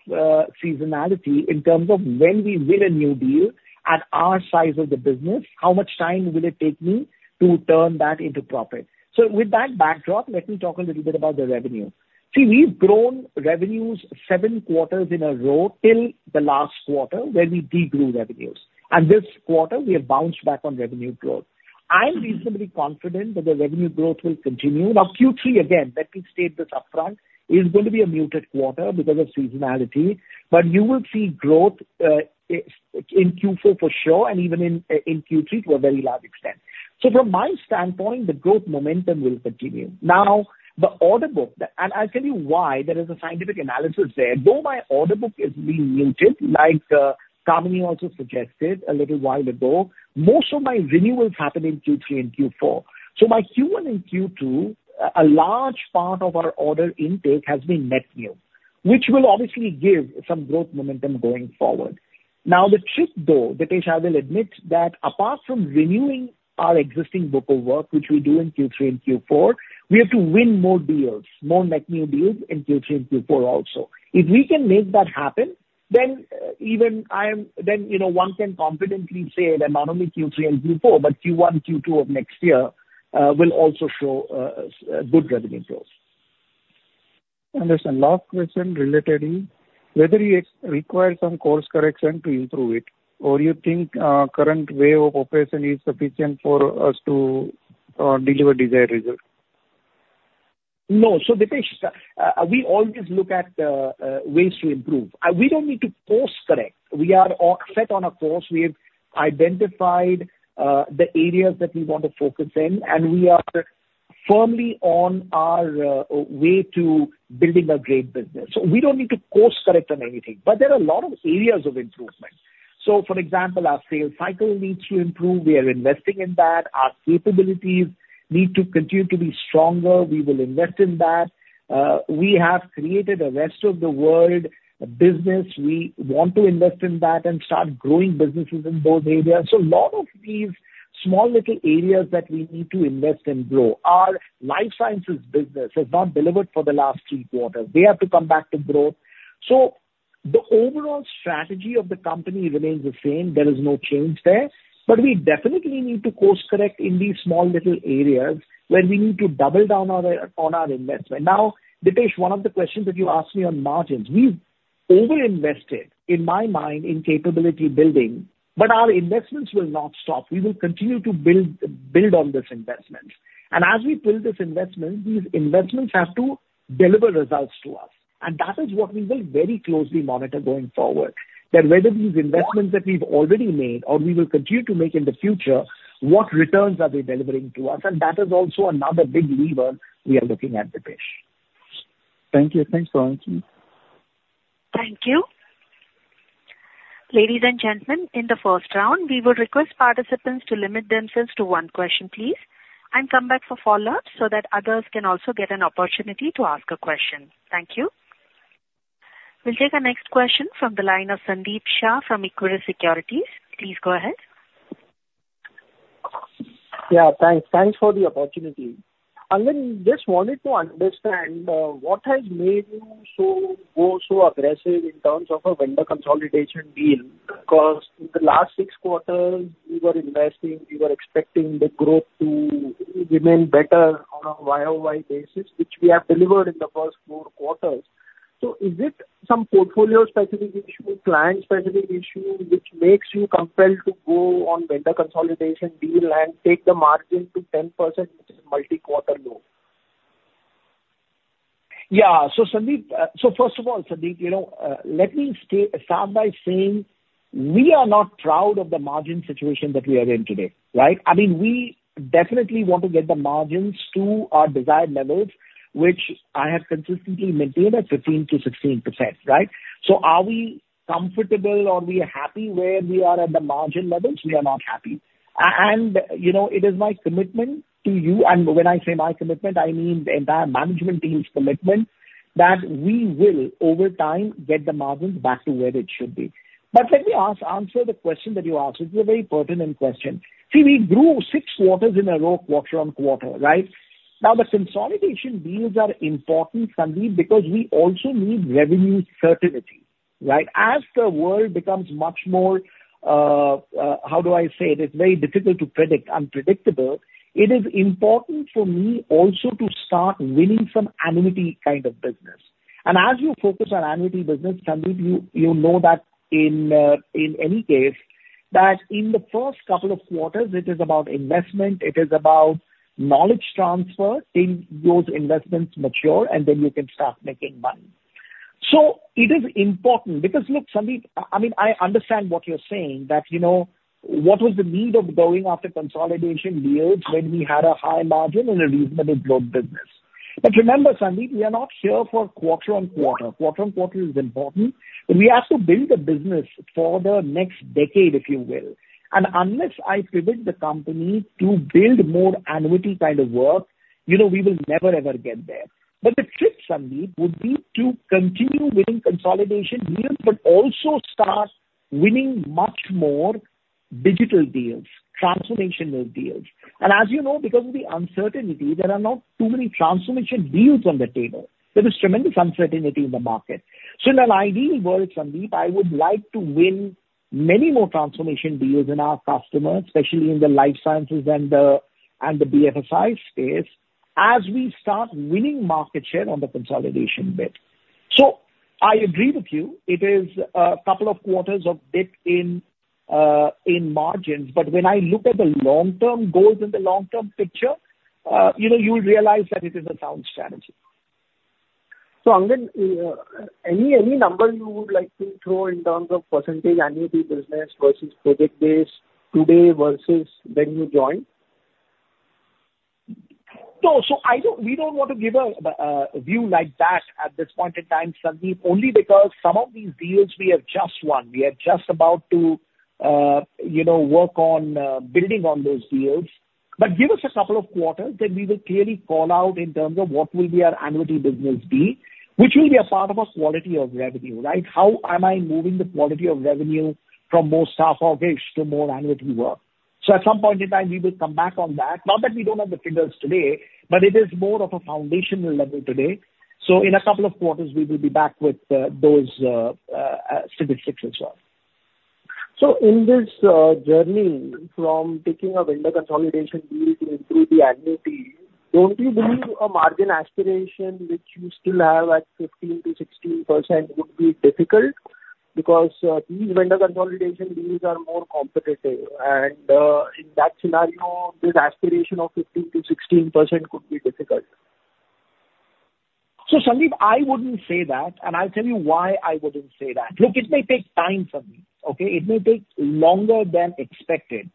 seasonality in terms of when we win a new deal, at our size of the business, how much time will it take me to turn that into profit? So with that backdrop, let me talk a little bit about the revenue. See, we've grown revenues seven quarters in a row till the last quarter, where we de-grew revenues, and this quarter we have bounced back on revenue growth. I'm reasonably confident that the revenue growth will continue. Now, Q3, again, let me state this upfront, is going to be a muted quarter because of seasonality, but you will see growth in Q4 for sure, and even in Q3 to a very large extent. So from my standpoint, the growth momentum will continue. Now, the order book, and I'll tell you why. There is a scientific analysis there. Though my order book is being muted, like, Kamini also suggested a little while ago, most of my renewals happen in Q3 and Q4. So by Q1 and Q2, a large part of our order intake has been net new, which will obviously give some growth momentum going forward. Now, the trick though, Dipesh, I will admit that apart from renewing our existing book of work, which we do in Q3 and Q4, we have to win more deals, more net new deals in Q3 and Q4 also. If we can make that happen, then, even I am—then, you know, one can confidently say that not only Q3 and Q4, but Q1, Q2 of next year, will also show good revenue growth. Understood. Last question related to whether you require some course correction to improve it, or you think current way of operation is sufficient for us to deliver desired results? No. So, Dipesh, we always look at ways to improve. We don't need to course correct. We are set on a course. We have identified the areas that we want to focus in, and we are firmly on our way to building a great business. So we don't need to course correct on anything, but there are a lot of areas of improvement. So for example, our sales cycle needs to improve. We are investing in that. Our capabilities need to continue to be stronger. We will invest in that. We have created a Rest of the World business. We want to invest in that and start growing businesses in both areas. So a lot of these small little areas that we need to invest and grow. Our Life Sciences business has not delivered for the last three quarters. They have to come back to growth so the overall strategy of the company remains the same, there is no change there, but we definitely need to course-correct in these small little areas where we need to double down on our investment. Now, Dipesh, one of the questions that you asked me on margins, we've over-invested, in my mind, in capability building, but our investments will not stop. We will continue to build, build on this investment. And as we build this investment, these investments have to deliver results to us, and that is what we will very closely monitor going forward. That whether these investments that we've already made or we will continue to make in the future, what returns are they delivering to us? And that is also another big lever we are looking at, Dipesh. Thank you. Thanks for the opportunity. Thank you. Ladies and gentlemen, in the first round, we would request participants to limit themselves to one question, please, and come back for follow-ups so that others can also get an opportunity to ask a question. Thank you. We'll take our next question from the line of Sandeep Shah from Equirus Securities. Please go ahead. Yeah, thanks. Thanks for the opportunity. Angan, just wanted to understand, what has made you so go so aggressive in terms of a vendor consolidation deal? Because in the last six quarters, you were investing, you were expecting the growth to remain better on a YoY basis, which we have delivered in the first four quarters. So is it some portfolio-specific issue, client-specific issue, which makes you compelled to go on vendor consolidation deal and take the margin to 10%, which is multi-quarter low? Yeah. Sandeep, so first of all, Sandeep, you know, let me start by saying we are not proud of the margin situation that we are in today, right? I mean, we definitely want to get the margins to our desired levels, which I have consistently maintained at 15%-16%, right? So are we comfortable or we are happy where we are at the margin levels? We are not happy. And, you know, it is my commitment to you, and when I say my commitment, I mean the entire management team's commitment, that we will, over time, get the margins back to where it should be. But let me answer the question that you asked. It's a very pertinent question. See, we grew six quarters in a row, quarter on quarter, right? Now, the consolidation deals are important, Sandeep, because we also need revenue certainty, right? As the world becomes much more, how do I say it? It's very difficult to predict, unpredictable. It is important for me also to start winning some annuity kind of business. And as you focus on annuity business, Sandeep, you know that in any case, that in the first couple of quarters, it is about investment, it is about knowledge transfer, till those investments mature, and then you can start making money. So it is important, because look, Sandeep, I mean, I understand what you're saying, that, you know, what was the need of going after consolidation deals when we had a high margin and a reasonable growth business? But remember, Sandeep, we are not here for quarter-on-quarter. Quarter-on-quarter is important, but we have to build a business for the next decade, if you will. And unless I pivot the company to build more annuity kind of work, you know, we will never, ever get there. But the trick, Sandeep, would be to continue winning consolidation deals, but also start winning much more digital deals, transformational deals. And as you know, because of the uncertainty, there are not too many transformation deals on the table. There is tremendous uncertainty in the market. So in an ideal world, Sandeep, I would like to win many more transformation deals in our customers, especially in the Life Sciences and the BFSI space, as we start winning market share on the consolidation bit. So I agree with you, it is a couple of quarters of dip in margins, but when I look at the long-term goals and the long-term picture, you know, you'll realize that it is a sound strategy. Angan, any number you would like to throw in terms of percentage annuity business versus project base today versus when you joined? No, so I don't we don't want to give a view like that at this point in time, Sandeep, only because some of these deals we have just won. We are just about to, you know, work on building on those deals. But give us a couple of quarters, then we will clearly call out in terms of what will be our annuity business, which will be a part of our quality of revenue, right? How am I moving the quality of revenue from more staff aug base to more annuity work? So at some point in time, we will come back on that. Not that we don't have the figures today, but it is more of a foundational level today. So in a couple of quarters, we will be back with those statistics as well. So in this journey from taking a vendor consolidation deal to improve the annuity, don't you believe a margin aspiration which you still have at 15%-16% would be difficult? Because these vendor consolidation deals are more competitive, and in that scenario, this aspiration of 15%-16% could be difficult. Sandeep, I wouldn't say that, and I'll tell you why I wouldn't say that. Look, it may take time for me, okay? It may take longer than expected.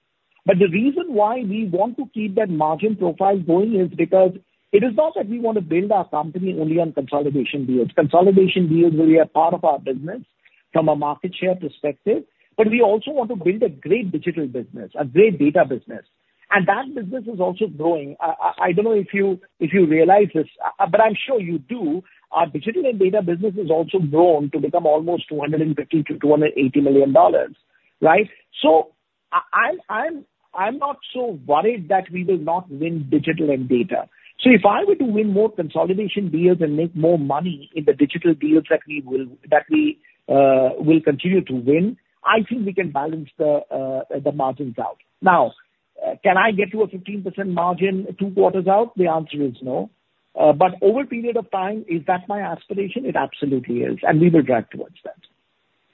But the reason why we want to keep that margin profile going is because it is not that we want to build our company only on consolidation deals. Consolidation deals will be a part of our business from a market share perspective, but we also want to build a great digital business, a great data business, and that business is also growing. I don't know if you realize this, but I'm sure you do. Our digital and data business has also grown to become almost $250 million-$280 million, right? So I'm not so worried that we will not win digital and data. So if I were to win more consolidation deals and make more money in the digital deals that we will continue to win, I think we can balance the margins out. Now, can I get to a 15% margin two quarters out? The answer is no. But over a period of time, is that my aspiration? It absolutely is, and we will drive towards that.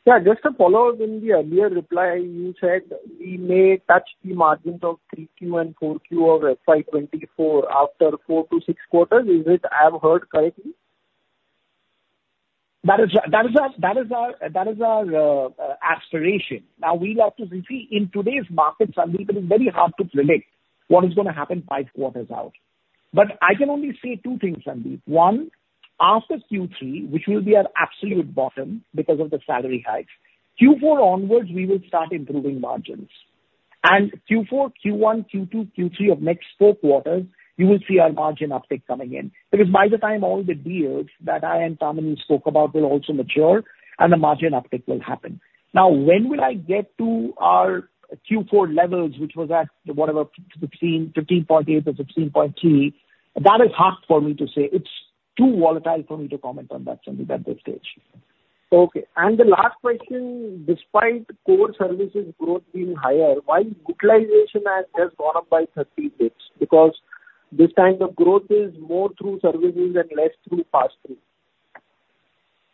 Yeah, just a follow-up. In the earlier reply, you said we may touch the margins of 3Q and 4Q of FY 2024 after four to six quarters. Is it I have heard correctly? That is our aspiration. Now, we'll have to. You see, in today's market, Sandeep, it is very hard to predict what is gonna happen five quarters out. But I can only say two things, Sandeep. One, after Q3, which will be our absolute bottom because of the salary hikes, Q4 onwards, we will start improving margins. And Q4, Q1, Q2, Q3 of next four quarters, you will see our margin uptick coming in. Because by the time all the deals that I and Kamini spoke about will also mature and the margin uptick will happen. Now, when will I get to our Q4 levels, which was at, whatever, between 15.8% or 15.3%? That is hard for me to say. It's too volatile for me to comment on that, Sandeep, at this stage. Okay. And the last question, despite core services growth being higher, why utilization has just gone up by 30 basis points? Because this kind of growth is more through services and less through pass-through.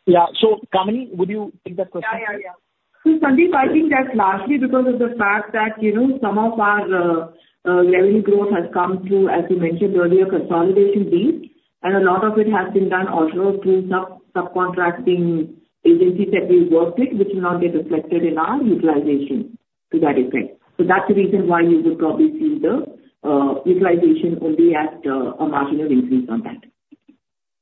Yeah. So, Kamini, would you take that question? Yeah, yeah, yeah. So, Sandeep, I think that's largely because of the fact that, you know, some of our revenue growth has come through, as we mentioned earlier, consolidation deals, and a lot of it has been done also through subcontracting agencies that we work with, which will not get reflected in our utilization to that effect. So that's the reason why you would probably see the utilization only at a marginal increase on that.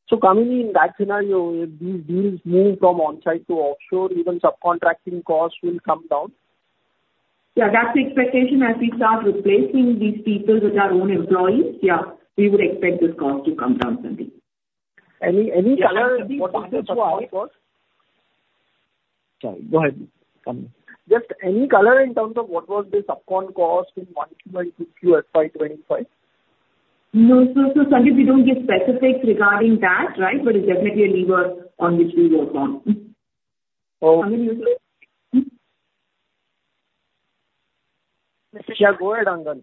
So, Kamini, in that scenario, these deals move from onsite to offshore, even subcontracting costs will come down? Yeah, that's the expectation. As we start replacing these people with our own employees, yeah, we would expect this cost to come down, Sandeep. Any color? What is the subcon cost? Sorry, go ahead, Sandeep. Just any color in terms of what was the subcon cost in 1Q by 2Q FY 2025? No, so, Sandeep, we don't give specifics regarding that, right? But it's definitely a lever on which we work on. Oh. Um, hmm. Yeah, go ahead, Angan.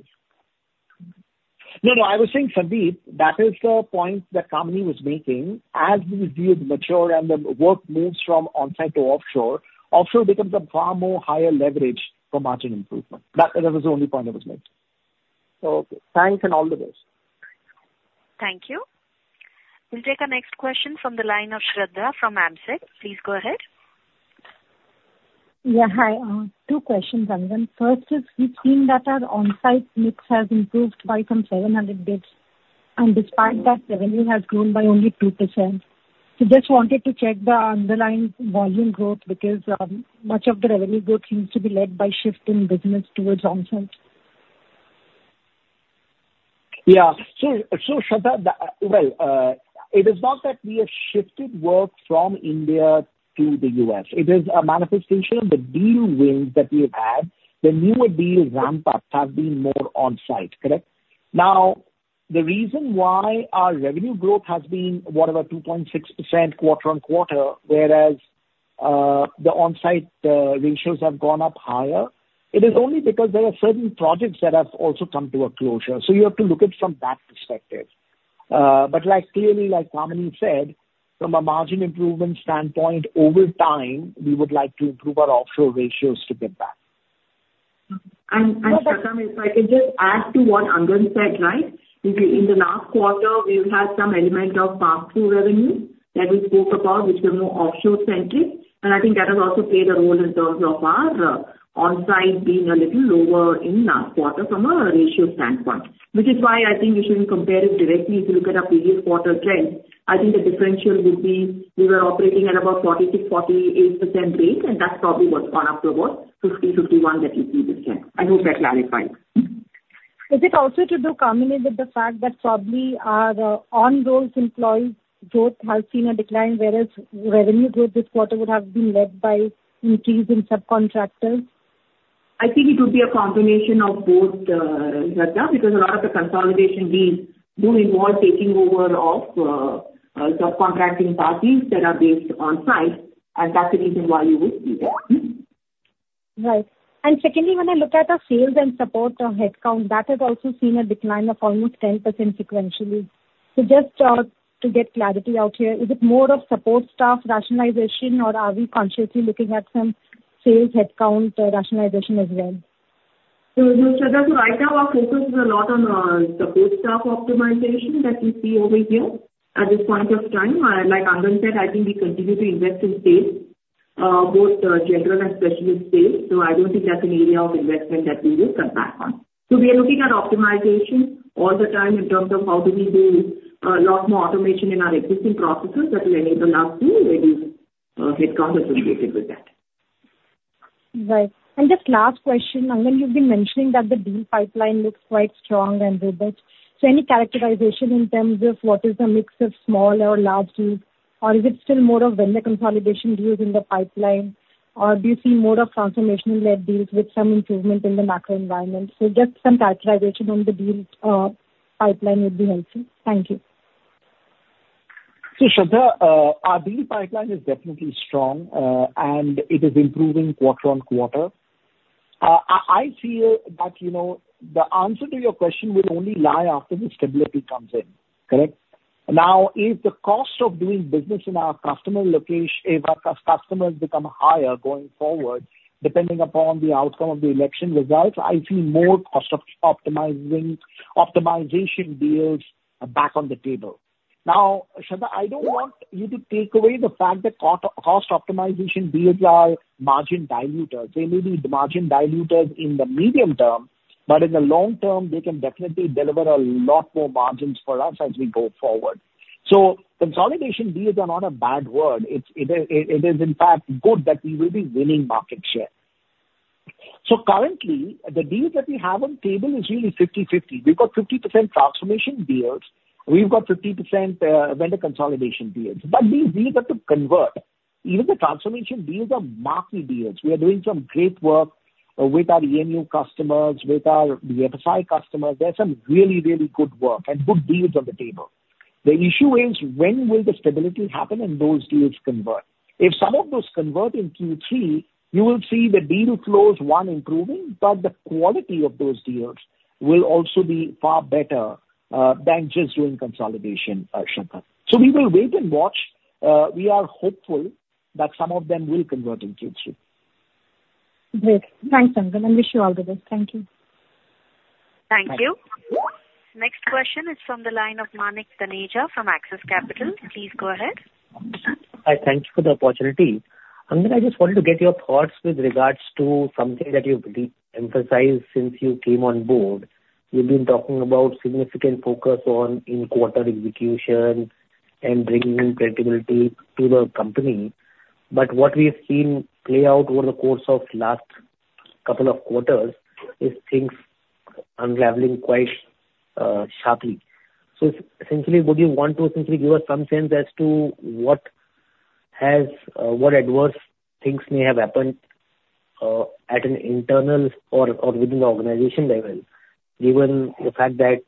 No, no, I was saying, Sandeep, that is the point that Kamini was making. As these deals mature and the work moves from onsite to offshore, offshore becomes a far more higher leverage for margin improvement. That was the only point that was made. Okay. Thanks, and all the best. Thank you. We'll take our next question from the line of Shraddha from Ambit. Please go ahead. Yeah, hi. Two questions, Angan. First is, we've seen that our onsite mix has improved by some 700 basis points, and despite that, revenue has grown by only 2%. So just wanted to check the underlying volume growth, because, much of the revenue growth seems to be led by shift in business towards onsites. Yeah. So, Shraddha. Well, it is not that we have shifted work from India to the U.S. It is a manifestation of the deal wins that we've had. The newer deal ramp-ups have been more onsite, correct? Now, the reason why our revenue growth has been, what, about 2.6% quarter-on-quarter, whereas the onsite ratios have gone up higher, it is only because there are certain projects that have also come to a closure. You have to look at it from that perspective. But like, clearly, like Kamini said, from a margin improvement standpoint, over time, we would like to improve our offshore ratios to get that. Shraddha, if I could just add to what Angan said, right? In the last quarter, we've had some element of pass-through revenue that we spoke about, which were more offshore-centric, and I think that has also played a role in terms of our onsite being a little lower in last quarter from a ratio standpoint. Which is why I think you shouldn't compare it directly if you look at our previous quarter trends. I think the differential would be we were operating at about 46%-48% rate, and that's probably what gone up to about 50%-51% that you see this year. I hope that clarifies. Is it also to do, Kamini, with the fact that probably our on-rolls employee growth has seen a decline, whereas revenue growth this quarter would have been led by increase in subcontractors? I think it would be a combination of both, Shraddha, because a lot of the consolidation deals do involve taking over of subcontracting parties that are based onsite, and that's the reason why you would see that. Right, and secondly, when I look at our sales and support headcount, that has also seen a decline of almost 10% sequentially. So just to get clarity out here, is it more of support staff rationalization or are we consciously looking at some sales headcount rationalization as well? So, Shraddha, right now our focus is a lot on support staff optimization that we see over here at this point of time. Like Angan said, I think we continue to invest in sales both general and specialist space, so I don't think that's an area of investment that we will cut back on. So we are looking at optimization all the time in terms of how do we do a lot more automation in our existing processes that will enable us to reduce headcount associated with that. Right. And just last question, Angan, you've been mentioning that the deal pipeline looks quite strong and robust. So any characterization in terms of what is the mix of small or large deals? Or is it still more of vendor consolidation deals in the pipeline, or do you see more of transformational-led deals with some improvement in the macro environment? So just some characterization on the deal pipeline would be helpful. Thank you. So, Shraddha, our deal pipeline is definitely strong, and it is improving quarter-on-quarter. I feel that, you know, the answer to your question will only lie after the stability comes in, correct? Now, if the cost of doing business in our customers become higher going forward, depending upon the outcome of the election results, I see more cost optimization deals are back on the table. Now, Shraddha, I don't want you to take away the fact that cost optimization deals are margin diluters. They may be margin diluters in the medium term, but in the long term, they can definitely deliver a lot more margins for us as we go forward. So consolidation deals are not a bad word. It is, in fact, good that we will be winning market share. So currently, the deals that we have on the table is really 50-50. We've got 50% transformation deals, we've got 50%, vendor consolidation deals, but these deals have to convert. Even the transformation deals are market deals. We are doing some great work, with our E&U customers, with our BFSI customers. There are some really, really good work and good deals on the table. The issue is, when will the stability happen and those deals convert? If some of those convert in Q3, you will see the deal flows improving, but the quality of those deals will also be far better, than just doing consolidation, Shraddha. So we will wait and watch. We are hopeful that some of them will convert in Q3. Great! Thanks, Angan, and wish you all the best. Thank you. Thank you. Next question is from the line of Manik Taneja from Axis Capital. Please go ahead. Hi. Thank you for the opportunity. Angan, I just wanted to get your thoughts with regards to something that you've really emphasized since you came on board. You've been talking about significant focus on in-quarter execution and bringing in predictability to the company, but what we've seen play out over the course of last couple of quarters is things unraveling quite sharply, so essentially, would you want to simply give us some sense as to what adverse things may have happened at an internal or within the organization level, given the fact that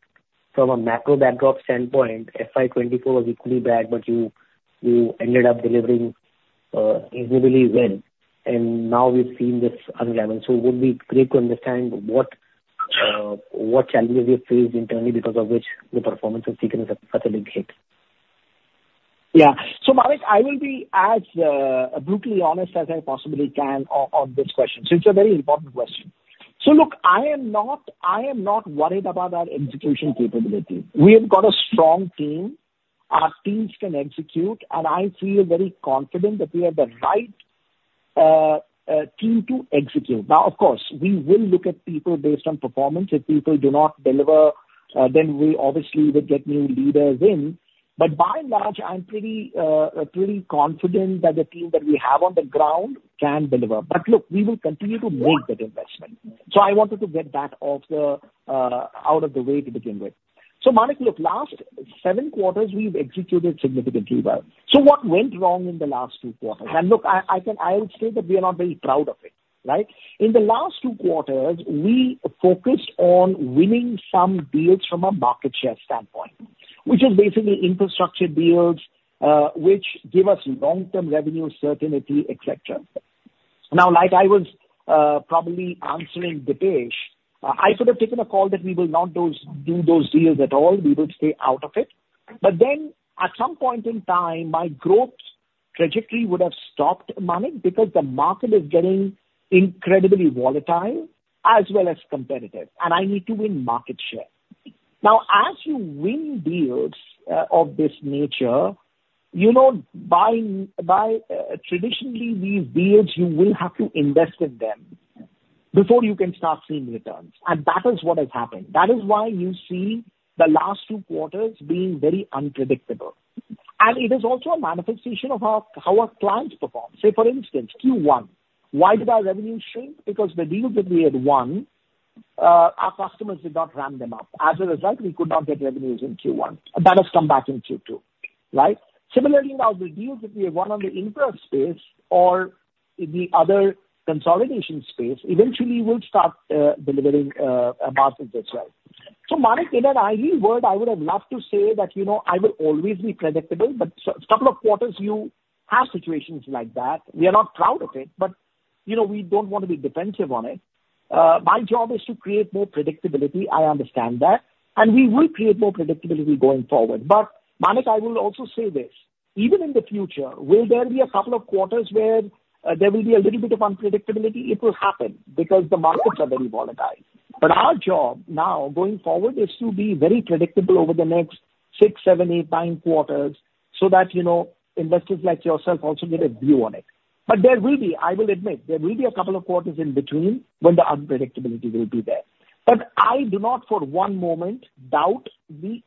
from a macro backdrop standpoint, FY 2024 was equally bad, but you, you ended up delivering incredibly well, and now we've seen this unravel, so it would be great to understand what challenges you faced internally, because of which the performance has taken such a big hit. Yeah. So, Manik, I will be as brutally honest as I possibly can on this question. So it's a very important question. So look, I am not, I am not worried about our execution capability. We have got a strong team. Our teams can execute, and I feel very confident that we have the right team to execute. Now, of course, we will look at people based on performance. If people do not deliver, then we obviously will get new leaders in. But by and large, I'm pretty confident that the team that we have on the ground can deliver. But look, we will continue to make that investment. So I wanted to get that out of the way to begin with. So Manik, look, last seven quarters, we've executed significantly well. So what went wrong in the last two quarters? And look, I can, I will say that we are not very proud of it, right? In the last two quarters, we focused on winning some deals from a market share standpoint, which is basically infrastructure deals, which give us long-term revenue certainty, et cetera. Now, like I was probably answering Dipesh, I could have taken a call that we will not do those deals at all. We will stay out of it. But then, at some point in time, my growth trajectory would have stopped, Manik, because the market is getting incredibly volatile as well as competitive, and I need to win market share. Now, as you win deals of this nature, you know, traditionally these deals, you will have to invest in them before you can start seeing returns, and that is what has happened. That is why you see the last two quarters being very unpredictable, and it is also a manifestation of how our clients perform. Say, for instance, Q1. Why did our revenue shrink? Because the deals that we had won, our customers did not ramp them up. As a result, we could not get revenues in Q1. That has come back in Q2, right? Similarly, now, the deals that we have won in the ERP space or in the other consolidation space, eventually will start delivering margins as well. So, Manik, in an ideal world, I would have loved to say that, you know, I will always be predictable, but so couple of quarters, you have situations like that. We are not proud of it, but, you know, we don't want to be defensive on it. My job is to create more predictability, I understand that, and we will create more predictability going forward. But Manik, I will also say this: even in the future, will there be a couple of quarters where there will be a little bit of unpredictability? It will happen because the markets are very volatile. But our job now, going forward, is to be very predictable over the next six, seven, eight, nine quarters, so that, you know, investors like yourself also get a view on it. But there will be, I will admit, there will be a couple of quarters in between when the unpredictability will be there. But I do not for one moment doubt the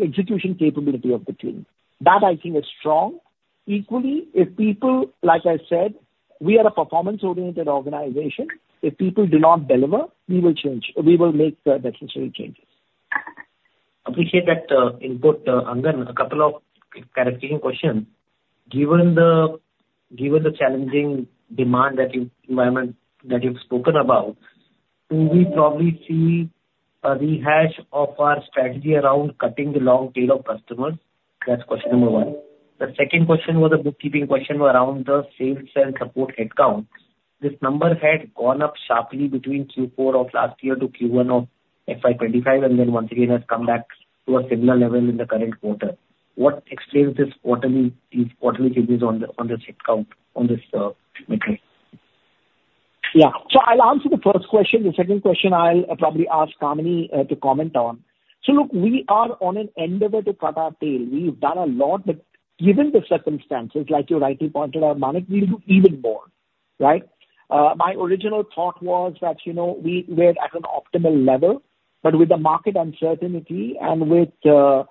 execution capability of the team. That I think is strong. Equally, if people, like I said, we are a performance-oriented organization. If people do not deliver, we will change. We will make the necessary changes. Appreciate that input, Angan. A couple of clarification questions. Given the challenging demand environment that you've spoken about, do we probably see a rehash of our strategy around cutting the long tail of customers? That's question number one. The second question was a bookkeeping question around the sales and support headcount. This number had gone up sharply between Q4 of last year to Q1 of FY 2025, and then once again has come back to a similar level in the current quarter. What explains these quarterly changes on this headcount, on this metric? Yeah. So I'll answer the first question. The second question I'll probably ask Kamini to comment on. So look, we are on an endeavor to cut our tail. We've done a lot, but given the circumstances, like you rightly pointed out, Manik, we'll do even more, right? My original thought was that, you know, we're at an optimal level, but with the market uncertainty and with, you know,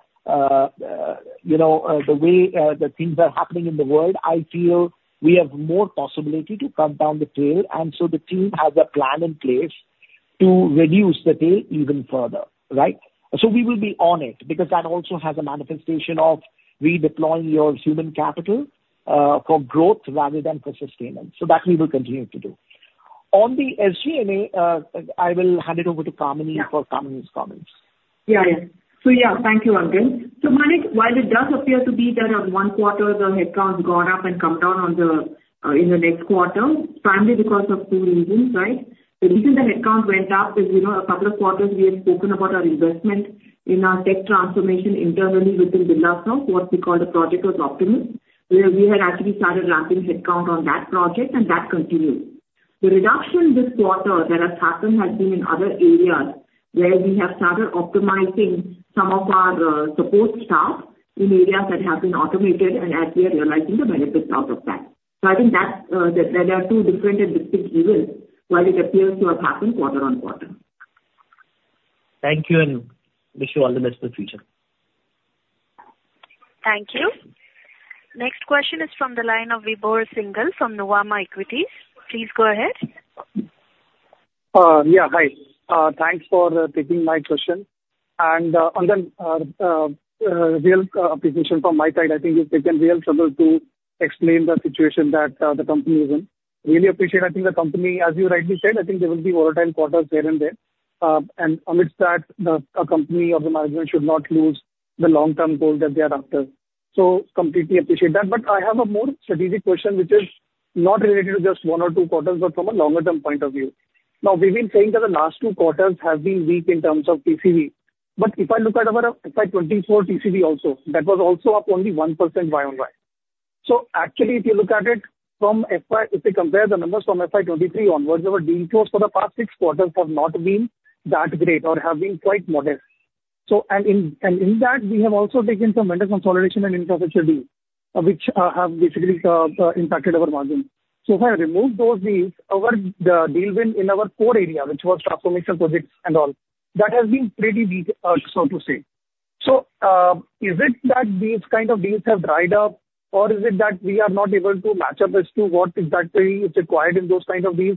the way the things are happening in the world, I feel we have more possibility to cut down the tail, and so the team has a plan in place to reduce the tail even further, right? So we will be on it, because that also has a manifestation of redeploying your human capital for growth rather than for sustainment. So that we will continue to do. On the SG&A, I will hand it over to Kamini for Kamini's comments. Yeah, yeah. So yeah, thank you, Angan. So Manik, while it does appear to be that on one quarter the headcount gone up and come down on the in the next quarter, it's primarily because of two reasons, right? The reason the headcount went up is, you know, a couple of quarters we had spoken about our investment in our tech transformation internally within Birlasoft, what we call the project was Project Optima, where we had actually started ramping headcount on that project, and that continued. The reduction this quarter that has happened has been in other areas, where we have started optimizing some of our support staff in areas that have been automated and as we are realizing the benefits out of that. So I think that's there are two different and distinct areas, while it appears to have happened quarter-on-quarter. Thank you, and wish you all the best for the future. Thank you. Next question is from the line of Vibhor Singhal from Nuvama Equities. Please go ahead. Yeah, hi. Thanks for taking my question. And, Angan, real appreciation from my side. I think you've taken real trouble to explain the situation that, the company is in. Really appreciate. I think the company, as you rightly said, I think there will be volatile quarters there and then. And amidst that, a company or the management should not lose the long-term goal that they are after. So completely appreciate that. But I have a more strategic question, which is not related to just one or two quarters, but from a longer term point of view. Now, we've been saying that the last two quarters have been weak in terms of TCV, but if I look at our FY 2024 TCV also, that was also up only 1% YoY. So actually, if you look at it from FY, if you compare the numbers from FY 2023 onwards, our deal close for the past six quarters have not been that great or have been quite modest. So, and in that, we have also taken some vendor consolidation and infrastructure deals, which have basically impacted our margins. So if I remove those deals, our the deal win in our core area, which was transformation projects and all, that has been pretty weak, so to say. So, is it that these kind of deals have dried up, or is it that we are not able to match up as to what exactly is required in those kind of deals?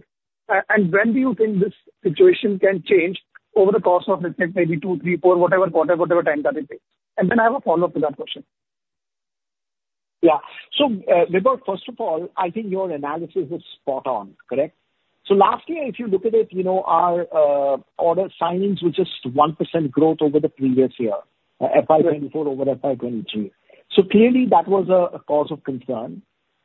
And when do you think this situation can change over the course of, let's say, maybe two, three, four, whatever quarter, whatever time that it takes? And then I have a follow-up to that question. Yeah. So, Vibhor, first of all, I think your analysis is spot on, correct? So last year, if you look at it, you know, our order signings were just 1% growth over the previous year, FY 2024 over FY 2023. So clearly, that was a cause of concern.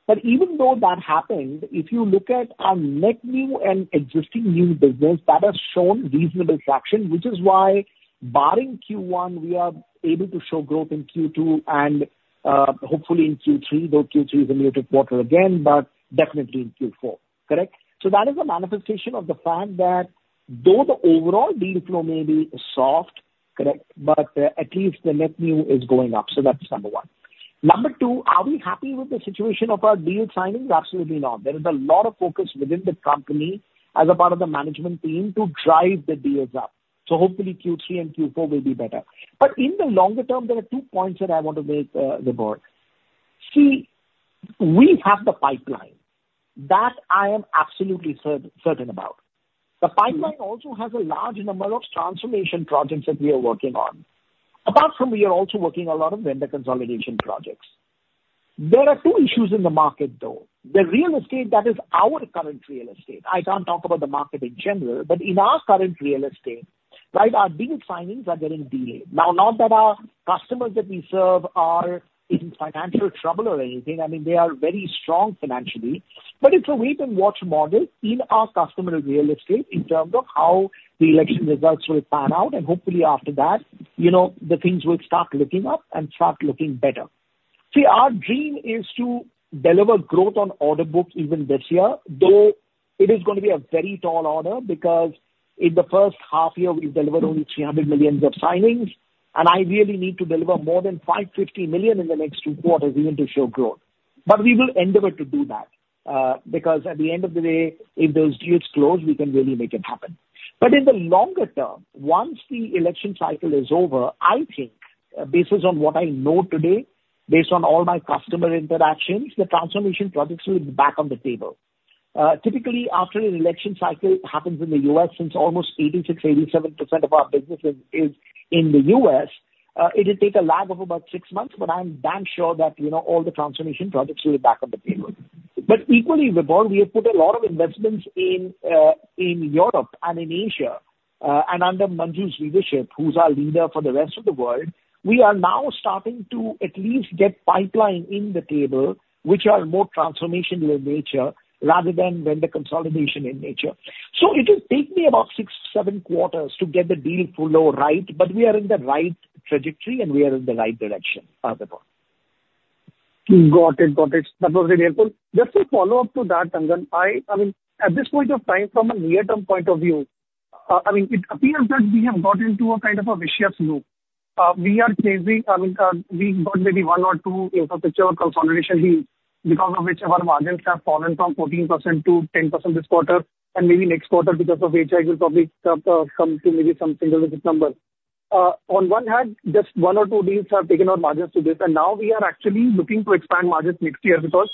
But even though that happened, if you look at our net new and existing new business, that has shown reasonable traction, which is why barring Q1, we are able to show growth in Q2 and hopefully in Q3, though Q3 is a muted quarter again, but definitely in Q4, correct? So that is a manifestation of the fact that though the overall deal flow may be soft, correct, but at least the net new is going up. So that's number one. Number two, are we happy with the situation of our deal signings? Absolutely not. There is a lot of focus within the company as a part of the management team to drive the deals up. So hopefully Q3 and Q4 will be better. But in the longer term, there are two points that I want to make, Vibhor. See, we have the pipeline. That I am absolutely certain about. The pipeline also has a large number of transformation projects that we are working on. Apart from, we are also working a lot of vendor consolidation projects. There are two issues in the market, though. The real estate, that is our current real estate, I can't talk about the market in general, but in our current real estate, right, our deal signings are getting delayed. Now, not that our customers that we serve are in financial trouble or anything. I mean, they are very strong financially, but it's a wait and watch model in our customer real estate in terms of how the election results will pan out, and hopefully after that, you know, the things will start looking up and start looking better. See, our dream is to deliver growth on order book even this year, though it is gonna be a very tall order, because in the first half year, we've delivered only $300 million of signings, and I really need to deliver more than $550 million in the next two quarters even to show growth. But we will endeavor to do that, because at the end of the day, if those deals close, we can really make it happen. But in the longer term, once the election cycle is over, I think, based on what I know today, based on all my customer interactions, the transformation projects will be back on the table. Typically, after an election cycle happens in the U.S., since almost 86%-87% of our business is in the U.S., it will take a lag of about six months, but I'm damn sure that, you know, all the transformation projects will be back on the table. But equally, Vibhor, we have put a lot of investments in Europe and in Asia, and under Manju's leadership, who's our leader for the rest of the world, we are now starting to at least get pipeline in the table, which are more transformational in nature rather than vendor consolidation in nature. So it will take me about six, seven quarters to get the deal flow right, but we are in the right trajectory, and we are in the right direction, Vibhor. Got it. Got it. That was really helpful. Just a follow-up to that, Angan. I mean, at this point of time, from a near-term point of view, I mean, it appears that we have got into a kind of a vicious loop. We are chasing, I mean, we got maybe one or two infrastructure consolidation deals, because of which our margins have fallen from 14% to 10% this quarter, and maybe next quarter, because of which I will probably come to maybe some single digit number. On one hand, just one or two deals have taken our margins to this, and now we are actually looking to expand margins next year because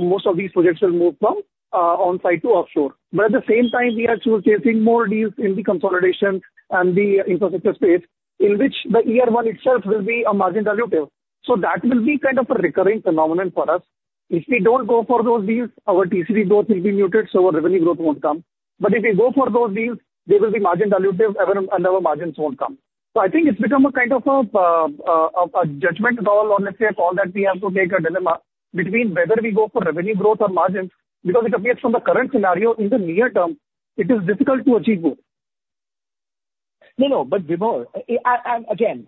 most of these projects will move from on-site to offshore. But at the same time, we are still chasing more deals in the consolidation and the infrastructure space, in which the year one itself will be a margin dilutive. So that will be kind of a recurring phenomenon for us. If we don't go for those deals, our TCV growth will be muted, so our revenue growth won't come. But if we go for those deals, they will be margin dilutive, and our margins won't come. So I think it's become a kind of a judgment call or let's say, a call that we have to make, a dilemma between whether we go for revenue growth or margins, because it appears from the current scenario, in the near term, it is difficult to achieve both. No, no, but Vibhor, and again,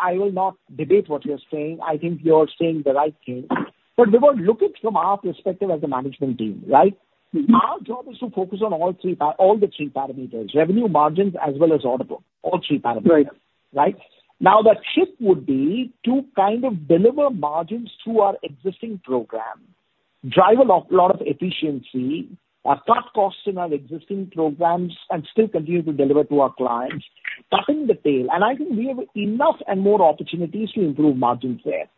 I will not debate what you're saying. I think you're saying the right thing. But Vibhor, look it from our perspective as a management team, right? Our job is to focus on all three parameters, revenue, margins, as well as order book. All three parameters. Right. Right? Now, the shift would be to kind of deliver margins through our existing program, drive a lot, lot of efficiency, cut costs in our existing programs, and still continue to deliver to our clients, cutting the tail. And I think we have enough and more opportunities to improve margins there.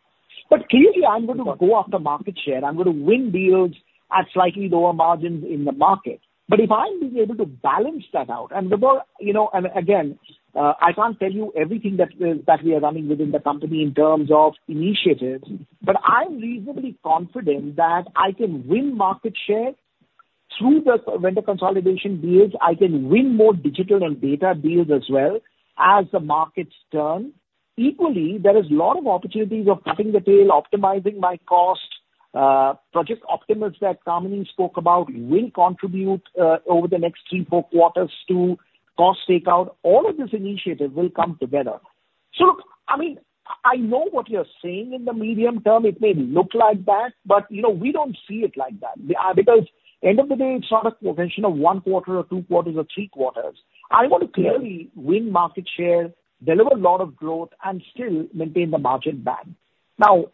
But clearly, I'm going to go after market share. I'm going to win deals at slightly lower margins in the market. But if I'm being able to balance that out, and Vibhor, you know, and again, I can't tell you everything that that we are running within the company in terms of initiatives, but I'm reasonably confident that I can win market share through the vendor consolidation deals. I can win more digital and data deals as well as the markets turn. Equally, there is a lot of opportunities of cutting the tail, optimizing my cost, Project Optima, that Kamini spoke about, will contribute, over the next three, four quarters to cost takeout. All of these initiatives will come together. So look, I mean, I know what you're saying in the medium term, it may look like that, but, you know, we don't see it like that. Because end of the day, it's not a question of one quarter or two quarters or three quarters. I want to clearly win market share, deliver a lot of growth, and still maintain the margin band. Now,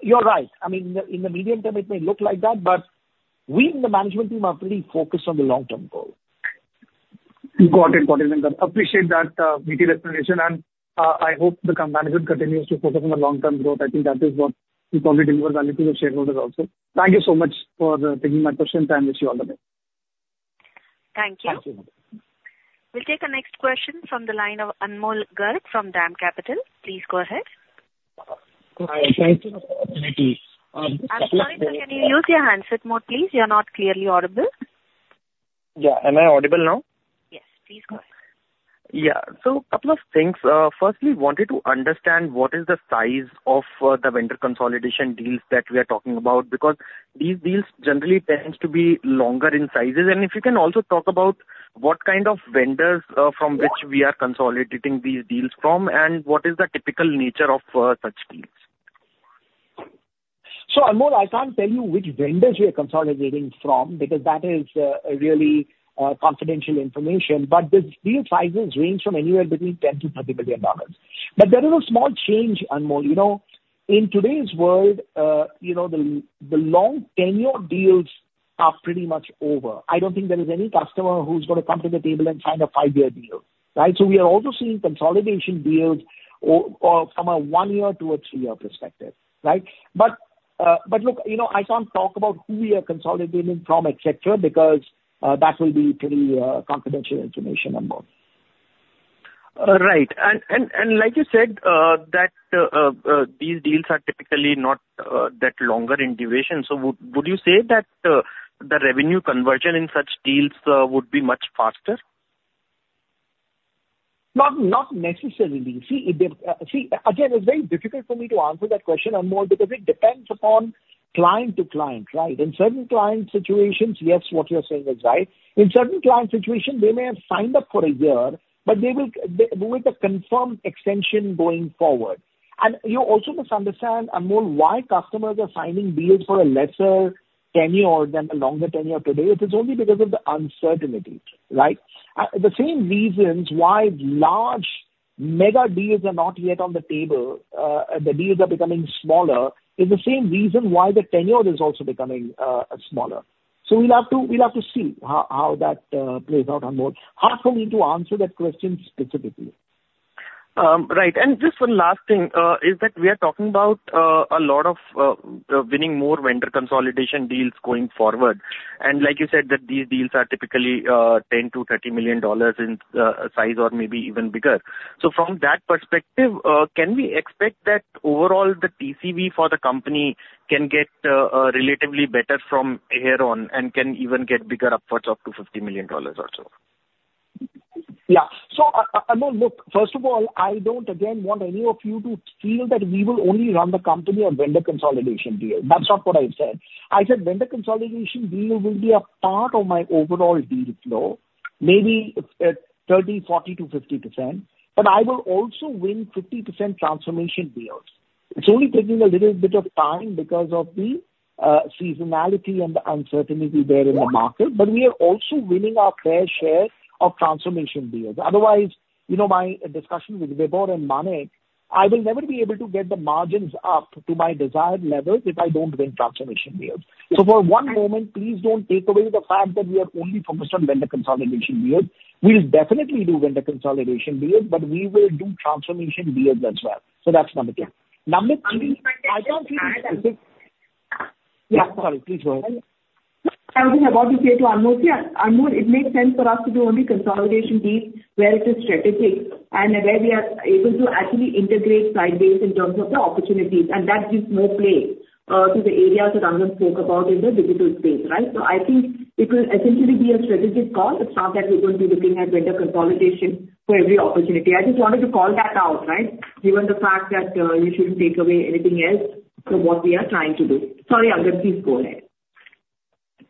you're right. I mean, in the medium term, it may look like that, but we in the management team are pretty focused on the long-term goal. Got it. Got it, Angan. Appreciate that, detailed explanation, and I hope the company management continues to focus on the long-term growth. I think that is what will probably deliver value to the shareholders also. Thank you so much for taking my questions. I wish you all the best. Thank you. Thank you. We'll take the next question from the line of Anmol Garg from DAM Capital. Please go ahead. Hi, thank you for the opportunity. I'm sorry, sir. Can you use your handset more, please? You're not clearly audible. Yeah. Am I audible now? Yes, please go ahead. Yeah. So a couple of things. Firstly, wanted to understand what is the size of the vendor consolidation deals that we are talking about? Because these deals generally tends to be longer in sizes. And if you can also talk about what kind of vendors from which we are consolidating these deals from, and what is the typical nature of such deals? Anmol, I can't tell you which vendors we are consolidating from, because that is really confidential information. But the deal sizes range from anywhere between $10 million-$30 million. But there is a small change, Anmol. You know, in today's world, the long tenure deals are pretty much over. I don't think there is any customer who's gonna come to the table and sign a five-year deal, right? So we are also seeing consolidation deals from a one-year to a three-year perspective, right? But, but look, you know, I can't talk about who we are consolidating from, et cetera, because that will be pretty confidential information, Anmol. Right. And like you said, that these deals are typically not that longer in duration. So would you say that the revenue conversion in such deals would be much faster? Not, not necessarily. See, see, again, it's very difficult for me to answer that question, Anmol, because it depends upon client to client, right? In certain client situations, yes, what you're saying is right. In certain client situations, they may have signed up for a year, but they will, they with a confirmed extension going forward. And you also must understand, Anmol, why customers are signing deals for a lesser tenure than a longer tenure today, it is only because of the uncertainty, right? The same reasons why large mega deals are not yet on the table, the deals are becoming smaller, is the same reason why the tenure is also becoming smaller. So we'll have to see how that plays out, Anmol. Hard for me to answer that question specifically. Right. And just one last thing is that we are talking about a lot of winning more vendor consolidation deals going forward. And like you said, that these deals are typically $10 million-$30 million in size or maybe even bigger. So from that perspective, can we expect that overall the TCV for the company can get relatively better from here on and can even get bigger upwards of up to $50 million or so? Yeah. So, Anmol, look, first of all, I don't again, want any of you to feel that we will only run the company on vendor consolidation deals. That's not what I've said. I said vendor consolidation deals will be a part of my overall deal flow, maybe, 30%, 40%-50%, but I will also win 50% transformation deals. It's only taking a little bit of time because of the, seasonality and the uncertainty there in the market, but we are also winning our fair share of transformation deals. Otherwise, you know, my discussion with Vibhor and Manik, I will never be able to get the margins up to my desired levels if I don't win transformation deals. So for one moment, please don't take away the fact that we are only focused on vendor consolidation deals. We'll definitely do vendor consolidation deals, but we will do transformation deals as well. So that's number one. Number two, I just. Yeah, sorry, please go ahead. I was just about to say to Anmol, yeah, Anmol, it makes sense for us to do only consolidation deals where it is strategic and where we are able to actually integrate onsite-based in terms of the opportunities, and that gives more play to the areas that Angan spoke about in the digital space, right? So I think it will essentially be a strategic call. It's not that we're going to be looking at vendor consolidation for every opportunity. I just wanted to call that out, right? Given the fact that, you shouldn't take away anything else from what we are trying to do. Sorry, Angan, please go ahead.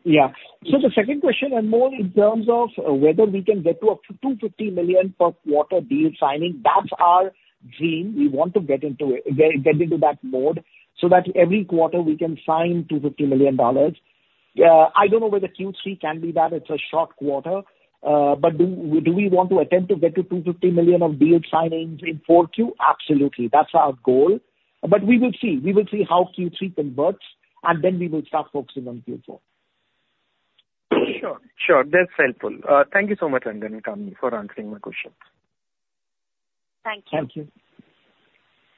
Yeah. So the second question, Anmol, in terms of whether we can get to up to $250 million per quarter deal signing, that's our dream. We want to get into it, get into that mode so that every quarter we can sign $250 million. I don't know whether Q3 can be that. It's a short quarter. But do we want to attempt to get to $250 million of deal signings in Q4? Absolutely. That's our goal. But we will see. We will see how Q3 converts, and then we will start focusing on Q4. Sure, sure. That's helpful. Thank you so much, Angan and Kamini, for answering my questions. Thank you. Thank you.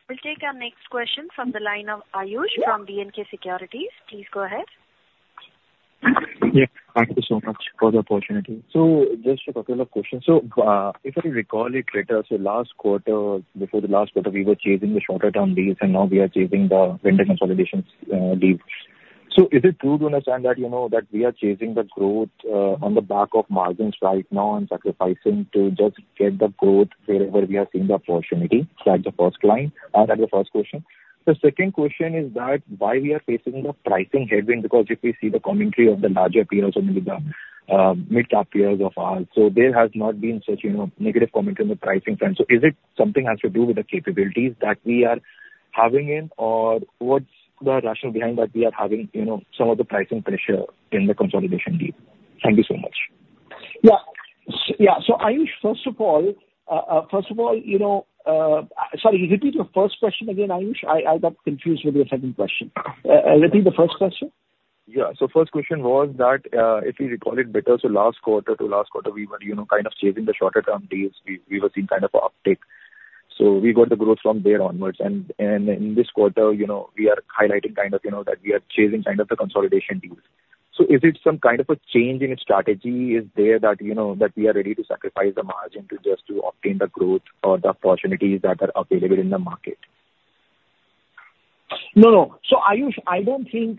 We'll take our next question from the line of Ayush from B&K Securities. Please go ahead. Yeah. Thank you so much for the opportunity. Just a couple of questions. If I recall it right, so last quarter, before the last quarter, we were chasing the shorter-term deals, and now we are chasing the vendor consolidation deals. Is it true to understand that, you know, that we are chasing the growth on the back of margins right now and sacrificing to just get the growth wherever we are seeing the opportunity? That's the first line, that's the first question. The second question is that why we are facing the pricing headwind, because if you see the commentary of the larger peers or maybe the mid-cap peers of ours, so there has not been such, you know, negative commentary on the pricing front. So is it something has to do with the capabilities that we are having in, or what's the rationale behind that we are having, you know, some of the pricing pressure in the consolidation deal? Thank you so much. Yeah. Yeah, so Ayush, first of all, you know, sorry, repeat your first question again, Ayush. I got confused with your second question. Repeat the first question. Yeah. So first question was that, if we recall it better, so last quarter to last quarter, we were, you know, kind of chasing the shorter-term deals. We were seeing kind of an uptick. So we got the growth from there onwards. And in this quarter, you know, we are highlighting kind of, you know, that we are chasing kind of the consolidation deals. So is it some kind of a change in strategy? Is there that, you know, that we are ready to sacrifice the margin just to obtain the growth or the opportunities that are available in the market? No, no, so Ayush, I don't think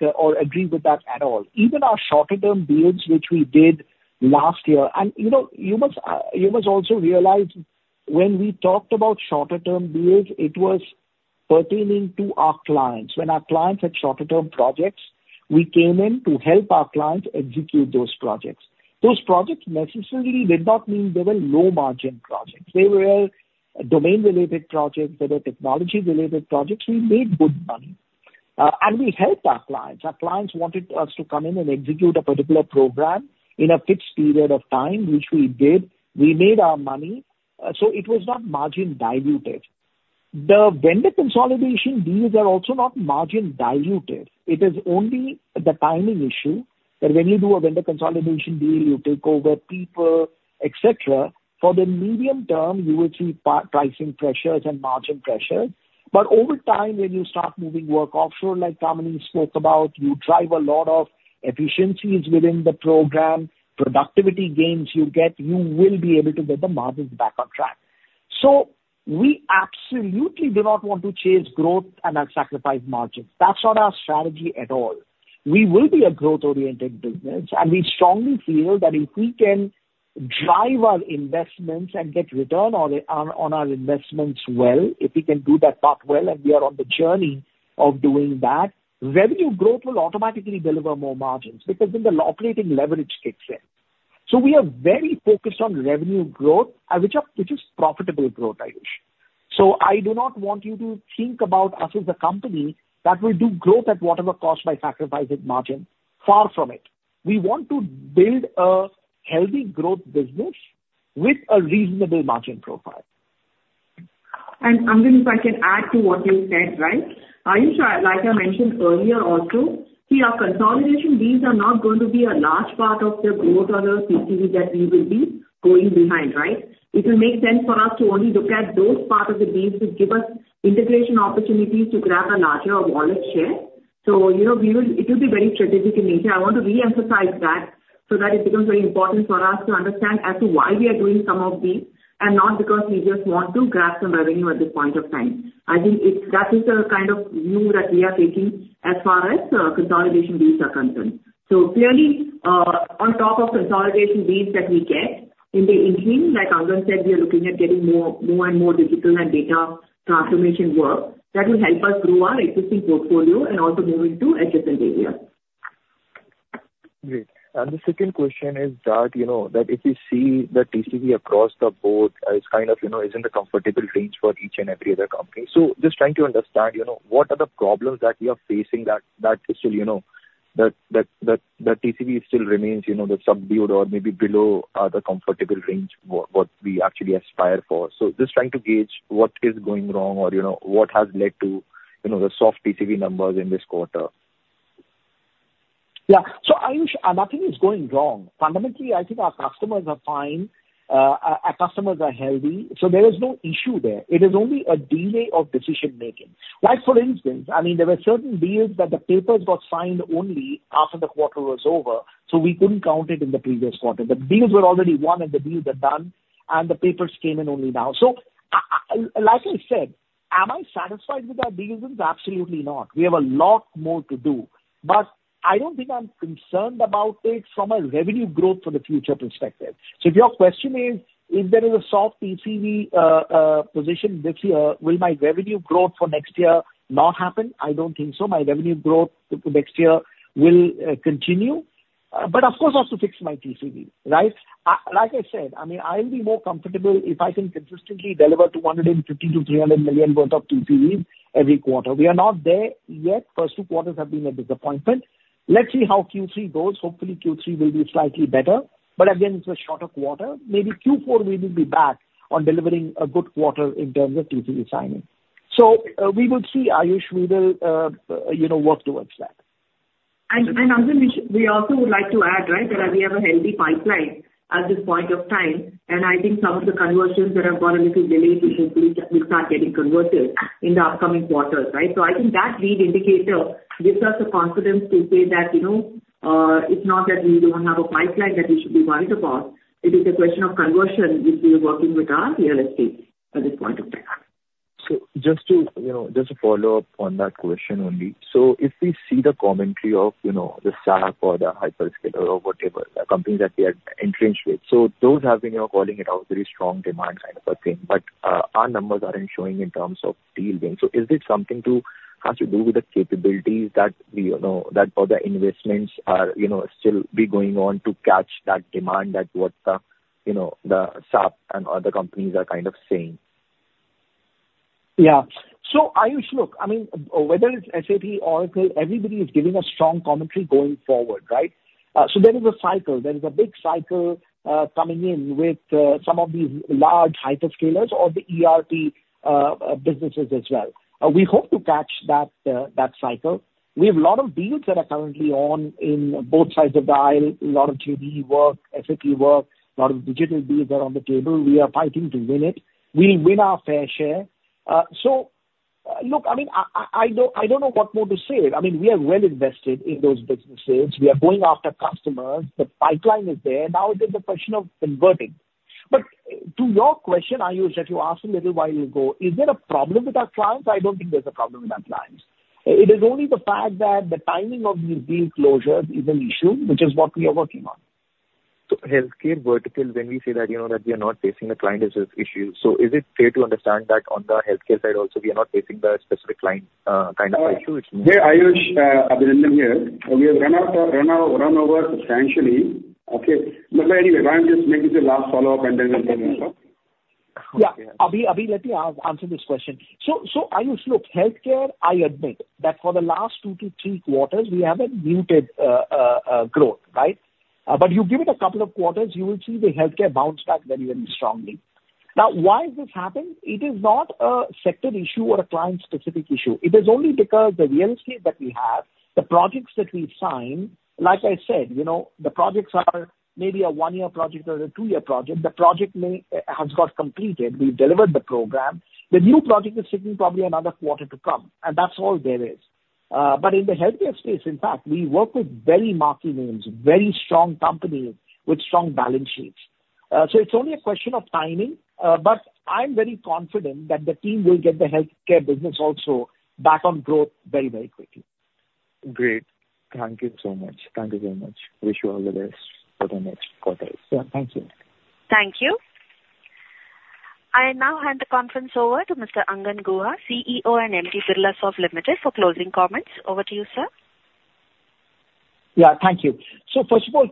or agree with that at all. Even our shorter-term deals, which we did last year... and, you know, you must also realize when we talked about shorter-term deals, it was pertaining to our clients. When our clients had shorter-term projects, we came in to help our clients execute those projects. Those projects necessarily did not mean they were low-margin projects. They were domain-related projects. They were technology-related projects. We made good money and we helped our clients. Our clients wanted us to come in and execute a particular program in a fixed period of time, which we did. We made our money, so it was not margin diluted. The vendor consolidation deals are also not margin diluted. It is only the timing issue, that when you do a vendor consolidation deal, you take over people, et cetera. For the medium term, you will see pricing pressures and margin pressures, but over time, when you start moving work offshore, like Kamini spoke about, you drive a lot of efficiencies within the program, productivity gains you get, you will be able to get the margins back on track. So we absolutely do not want to chase growth and then sacrifice margins. That's not our strategy at all. We will be a growth-oriented business, and we strongly feel that if we can drive our investments and get return on it, on our investments well, if we can do that part well, and we are on the journey of doing that, revenue growth will automatically deliver more margins, because then the operating leverage kicks in. So we are very focused on revenue growth, which is profitable growth, Ayush. So I do not want you to think about us as a company that will do growth at whatever cost by sacrificing margin. Far from it. We want to build a healthy growth business with a reasonable margin profile. Angan, if I can add to what you said, right? Ayush, like I mentioned earlier also, see, our consolidation deals are not going to be a large part of the growth or the TCV that we will be going behind, right? It will make sense for us to only look at those part of the deals which give us integration opportunities to grab a larger wallet share. So, you know, we will, it will be very strategic in nature. I want to re-emphasize that, so that it becomes very important for us to understand as to why we are doing some of these, and not because we just want to grab some revenue at this point of time. I think it's, that is the kind of view that we are taking as far as, consolidation deals are concerned. Clearly, on top of consolidation deals that we get, in the interim, like Angan said, we are looking at getting more and more digital and data transformation work that will help us grow our existing portfolio and also move into adjacent areas. Great. And the second question is that, you know, that if you see the TCV across the board, it's kind of, you know, is in the comfortable range for each and every other company. So just trying to understand, you know, what are the problems that we are facing that still, you know, the TCV still remains, you know, subdued or maybe below the comfortable range what we actually aspire for. So just trying to gauge what is going wrong or, you know, what has led to, you know, the soft TCV numbers in this quarter. Yeah. So Ayush, nothing is going wrong. Fundamentally, I think our customers are fine, our customers are healthy, so there is no issue there. It is only a delay of decision-making. Like, for instance, I mean, there were certain deals that the papers got signed only after the quarter was over, so we couldn't count it in the previous quarter. The deals were already won, and the deals are done, and the papers came in only now. So like I said, am I satisfied with our business? Absolutely not. We have a lot more to do, but I don't think I'm concerned about it from a revenue growth for the future perspective. So if your question is: If there is a soft TCV position this year, will my revenue growth for next year not happen? I don't think so. My revenue growth for next year will continue, but of course, I have to fix my TCV, right? Like I said, I mean, I'll be more comfortable if I can consistently deliver $150 million-$300 million worth of TCV every quarter. We are not there yet. First two quarters have been a disappointment. Let's see how Q3 goes. Hopefully, Q3 will be slightly better, but again, it's a shorter quarter. Maybe Q4 we will be back on delivering a good quarter in terms of TCV signing. So, we will see, Ayush, we will, you know, work towards that. Angan, we also would like to add, right, that we have a healthy pipeline at this point of time, and I think some of the conversions that have got a little delayed, we start getting converted in the upcoming quarters, right? So I think that lead indicator gives us the confidence to say that, you know, it's not that we don't have a pipeline that we should be worried about. It is a question of conversion, which we are working with our sales team at this point of time. So just to, you know, just to follow up on that question only. So if we see the commentary of, you know, the SAP or the hyperscaler or whatever, the companies that we are entrenched with. So those have been, you're calling it out, very strong demand kind of a thing, but our numbers aren't showing in terms of deal wins. So is this something to, has to do with the capabilities that we, you know, that other investments are, you know, still be going on to catch that demand that what the, you know, the SAP and other companies are kind of saying? Yeah. So Ayush, look, I mean, whether it's SAP, Oracle, everybody is giving a strong commentary going forward, right? So there is a cycle. There is a big cycle coming in with some of these large hyperscalers or the ERP businesses as well. We hope to catch that cycle. We have a lot of deals that are currently on in both sides of the aisle, a lot of GE work, SAP work, a lot of digital deals are on the table. We are fighting to win it. We'll win our fair share. So look, I mean, I don't know what more to say. I mean, we are well invested in those businesses. We are going after customers. The pipeline is there. Now it is a question of converting. But to your question, Ayush, that you asked a little while ago, is there a problem with our clients? I don't think there's a problem with our clients. It is only the fact that the timing of the deal closures is an issue, which is what we are working on. So, healthcare vertical, when we say that, you know, that we are not facing a clientage issue, so is it fair to understand that on the healthcare side also, we are not facing the specific client kind of issue? Yeah, Ayush, Abhinandan here. We have run over substantially, okay? But anyway, Angan, just make it the last follow-up, and then we'll... Yeah. Abhi, let me answer this question. So, Ayush, look, healthcare, I admit that for the last two to three quarters, we have a muted growth, right? But you give it a couple of quarters, you will see the healthcare bounce back very, very strongly. Now, why is this happening? It is not a sector issue or a client-specific issue. It is only because the real estate that we have, the projects that we sign, like I said, you know, the projects are maybe a one-year project or a two-year project. The project may has got completed. We delivered the program. The new project is sitting probably another quarter to come, and that's all there is. But in the healthcare space, in fact, we work with very marquee names, very strong companies with strong balance sheets. So it's only a question of timing, but I'm very confident that the team will get the healthcare business also back on growth very, very quickly. Great. Thank you so much. Thank you very much. Wish you all the best for the next quarters. Yeah. Thank you. Thank you. I now hand the conference over to Mr. Angan Guha, CEO and MD, Birlasoft Limited, for closing comments. Over to you, sir. Yeah, thank you. So first of all,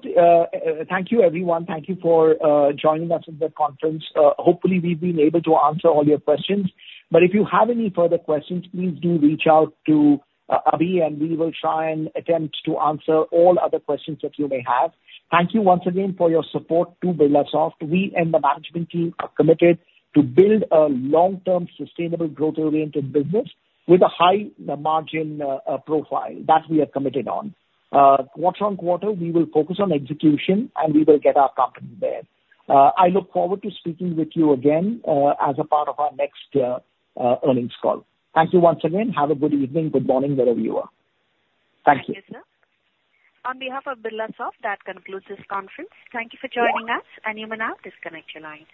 thank you, everyone. Thank you for joining us in the conference. Hopefully, we've been able to answer all your questions, but if you have any further questions, please do reach out to Abhi, and we will try and attempt to answer all other questions that you may have. Thank you once again for your support to Birlasoft. We and the management team are committed to build a long-term, sustainable, growth-oriented business with a high margin profile. That we are committed on. Quarter-on-quarter, we will focus on execution, and we will get our company there. I look forward to speaking with you again, as a part of our next earnings call. Thank you once again. Have a good evening, good morning, wherever you are. Thank you. Thank you, sir. On behalf of Birlasoft, that concludes this conference. Thank you for joining us, and you may now disconnect your lines.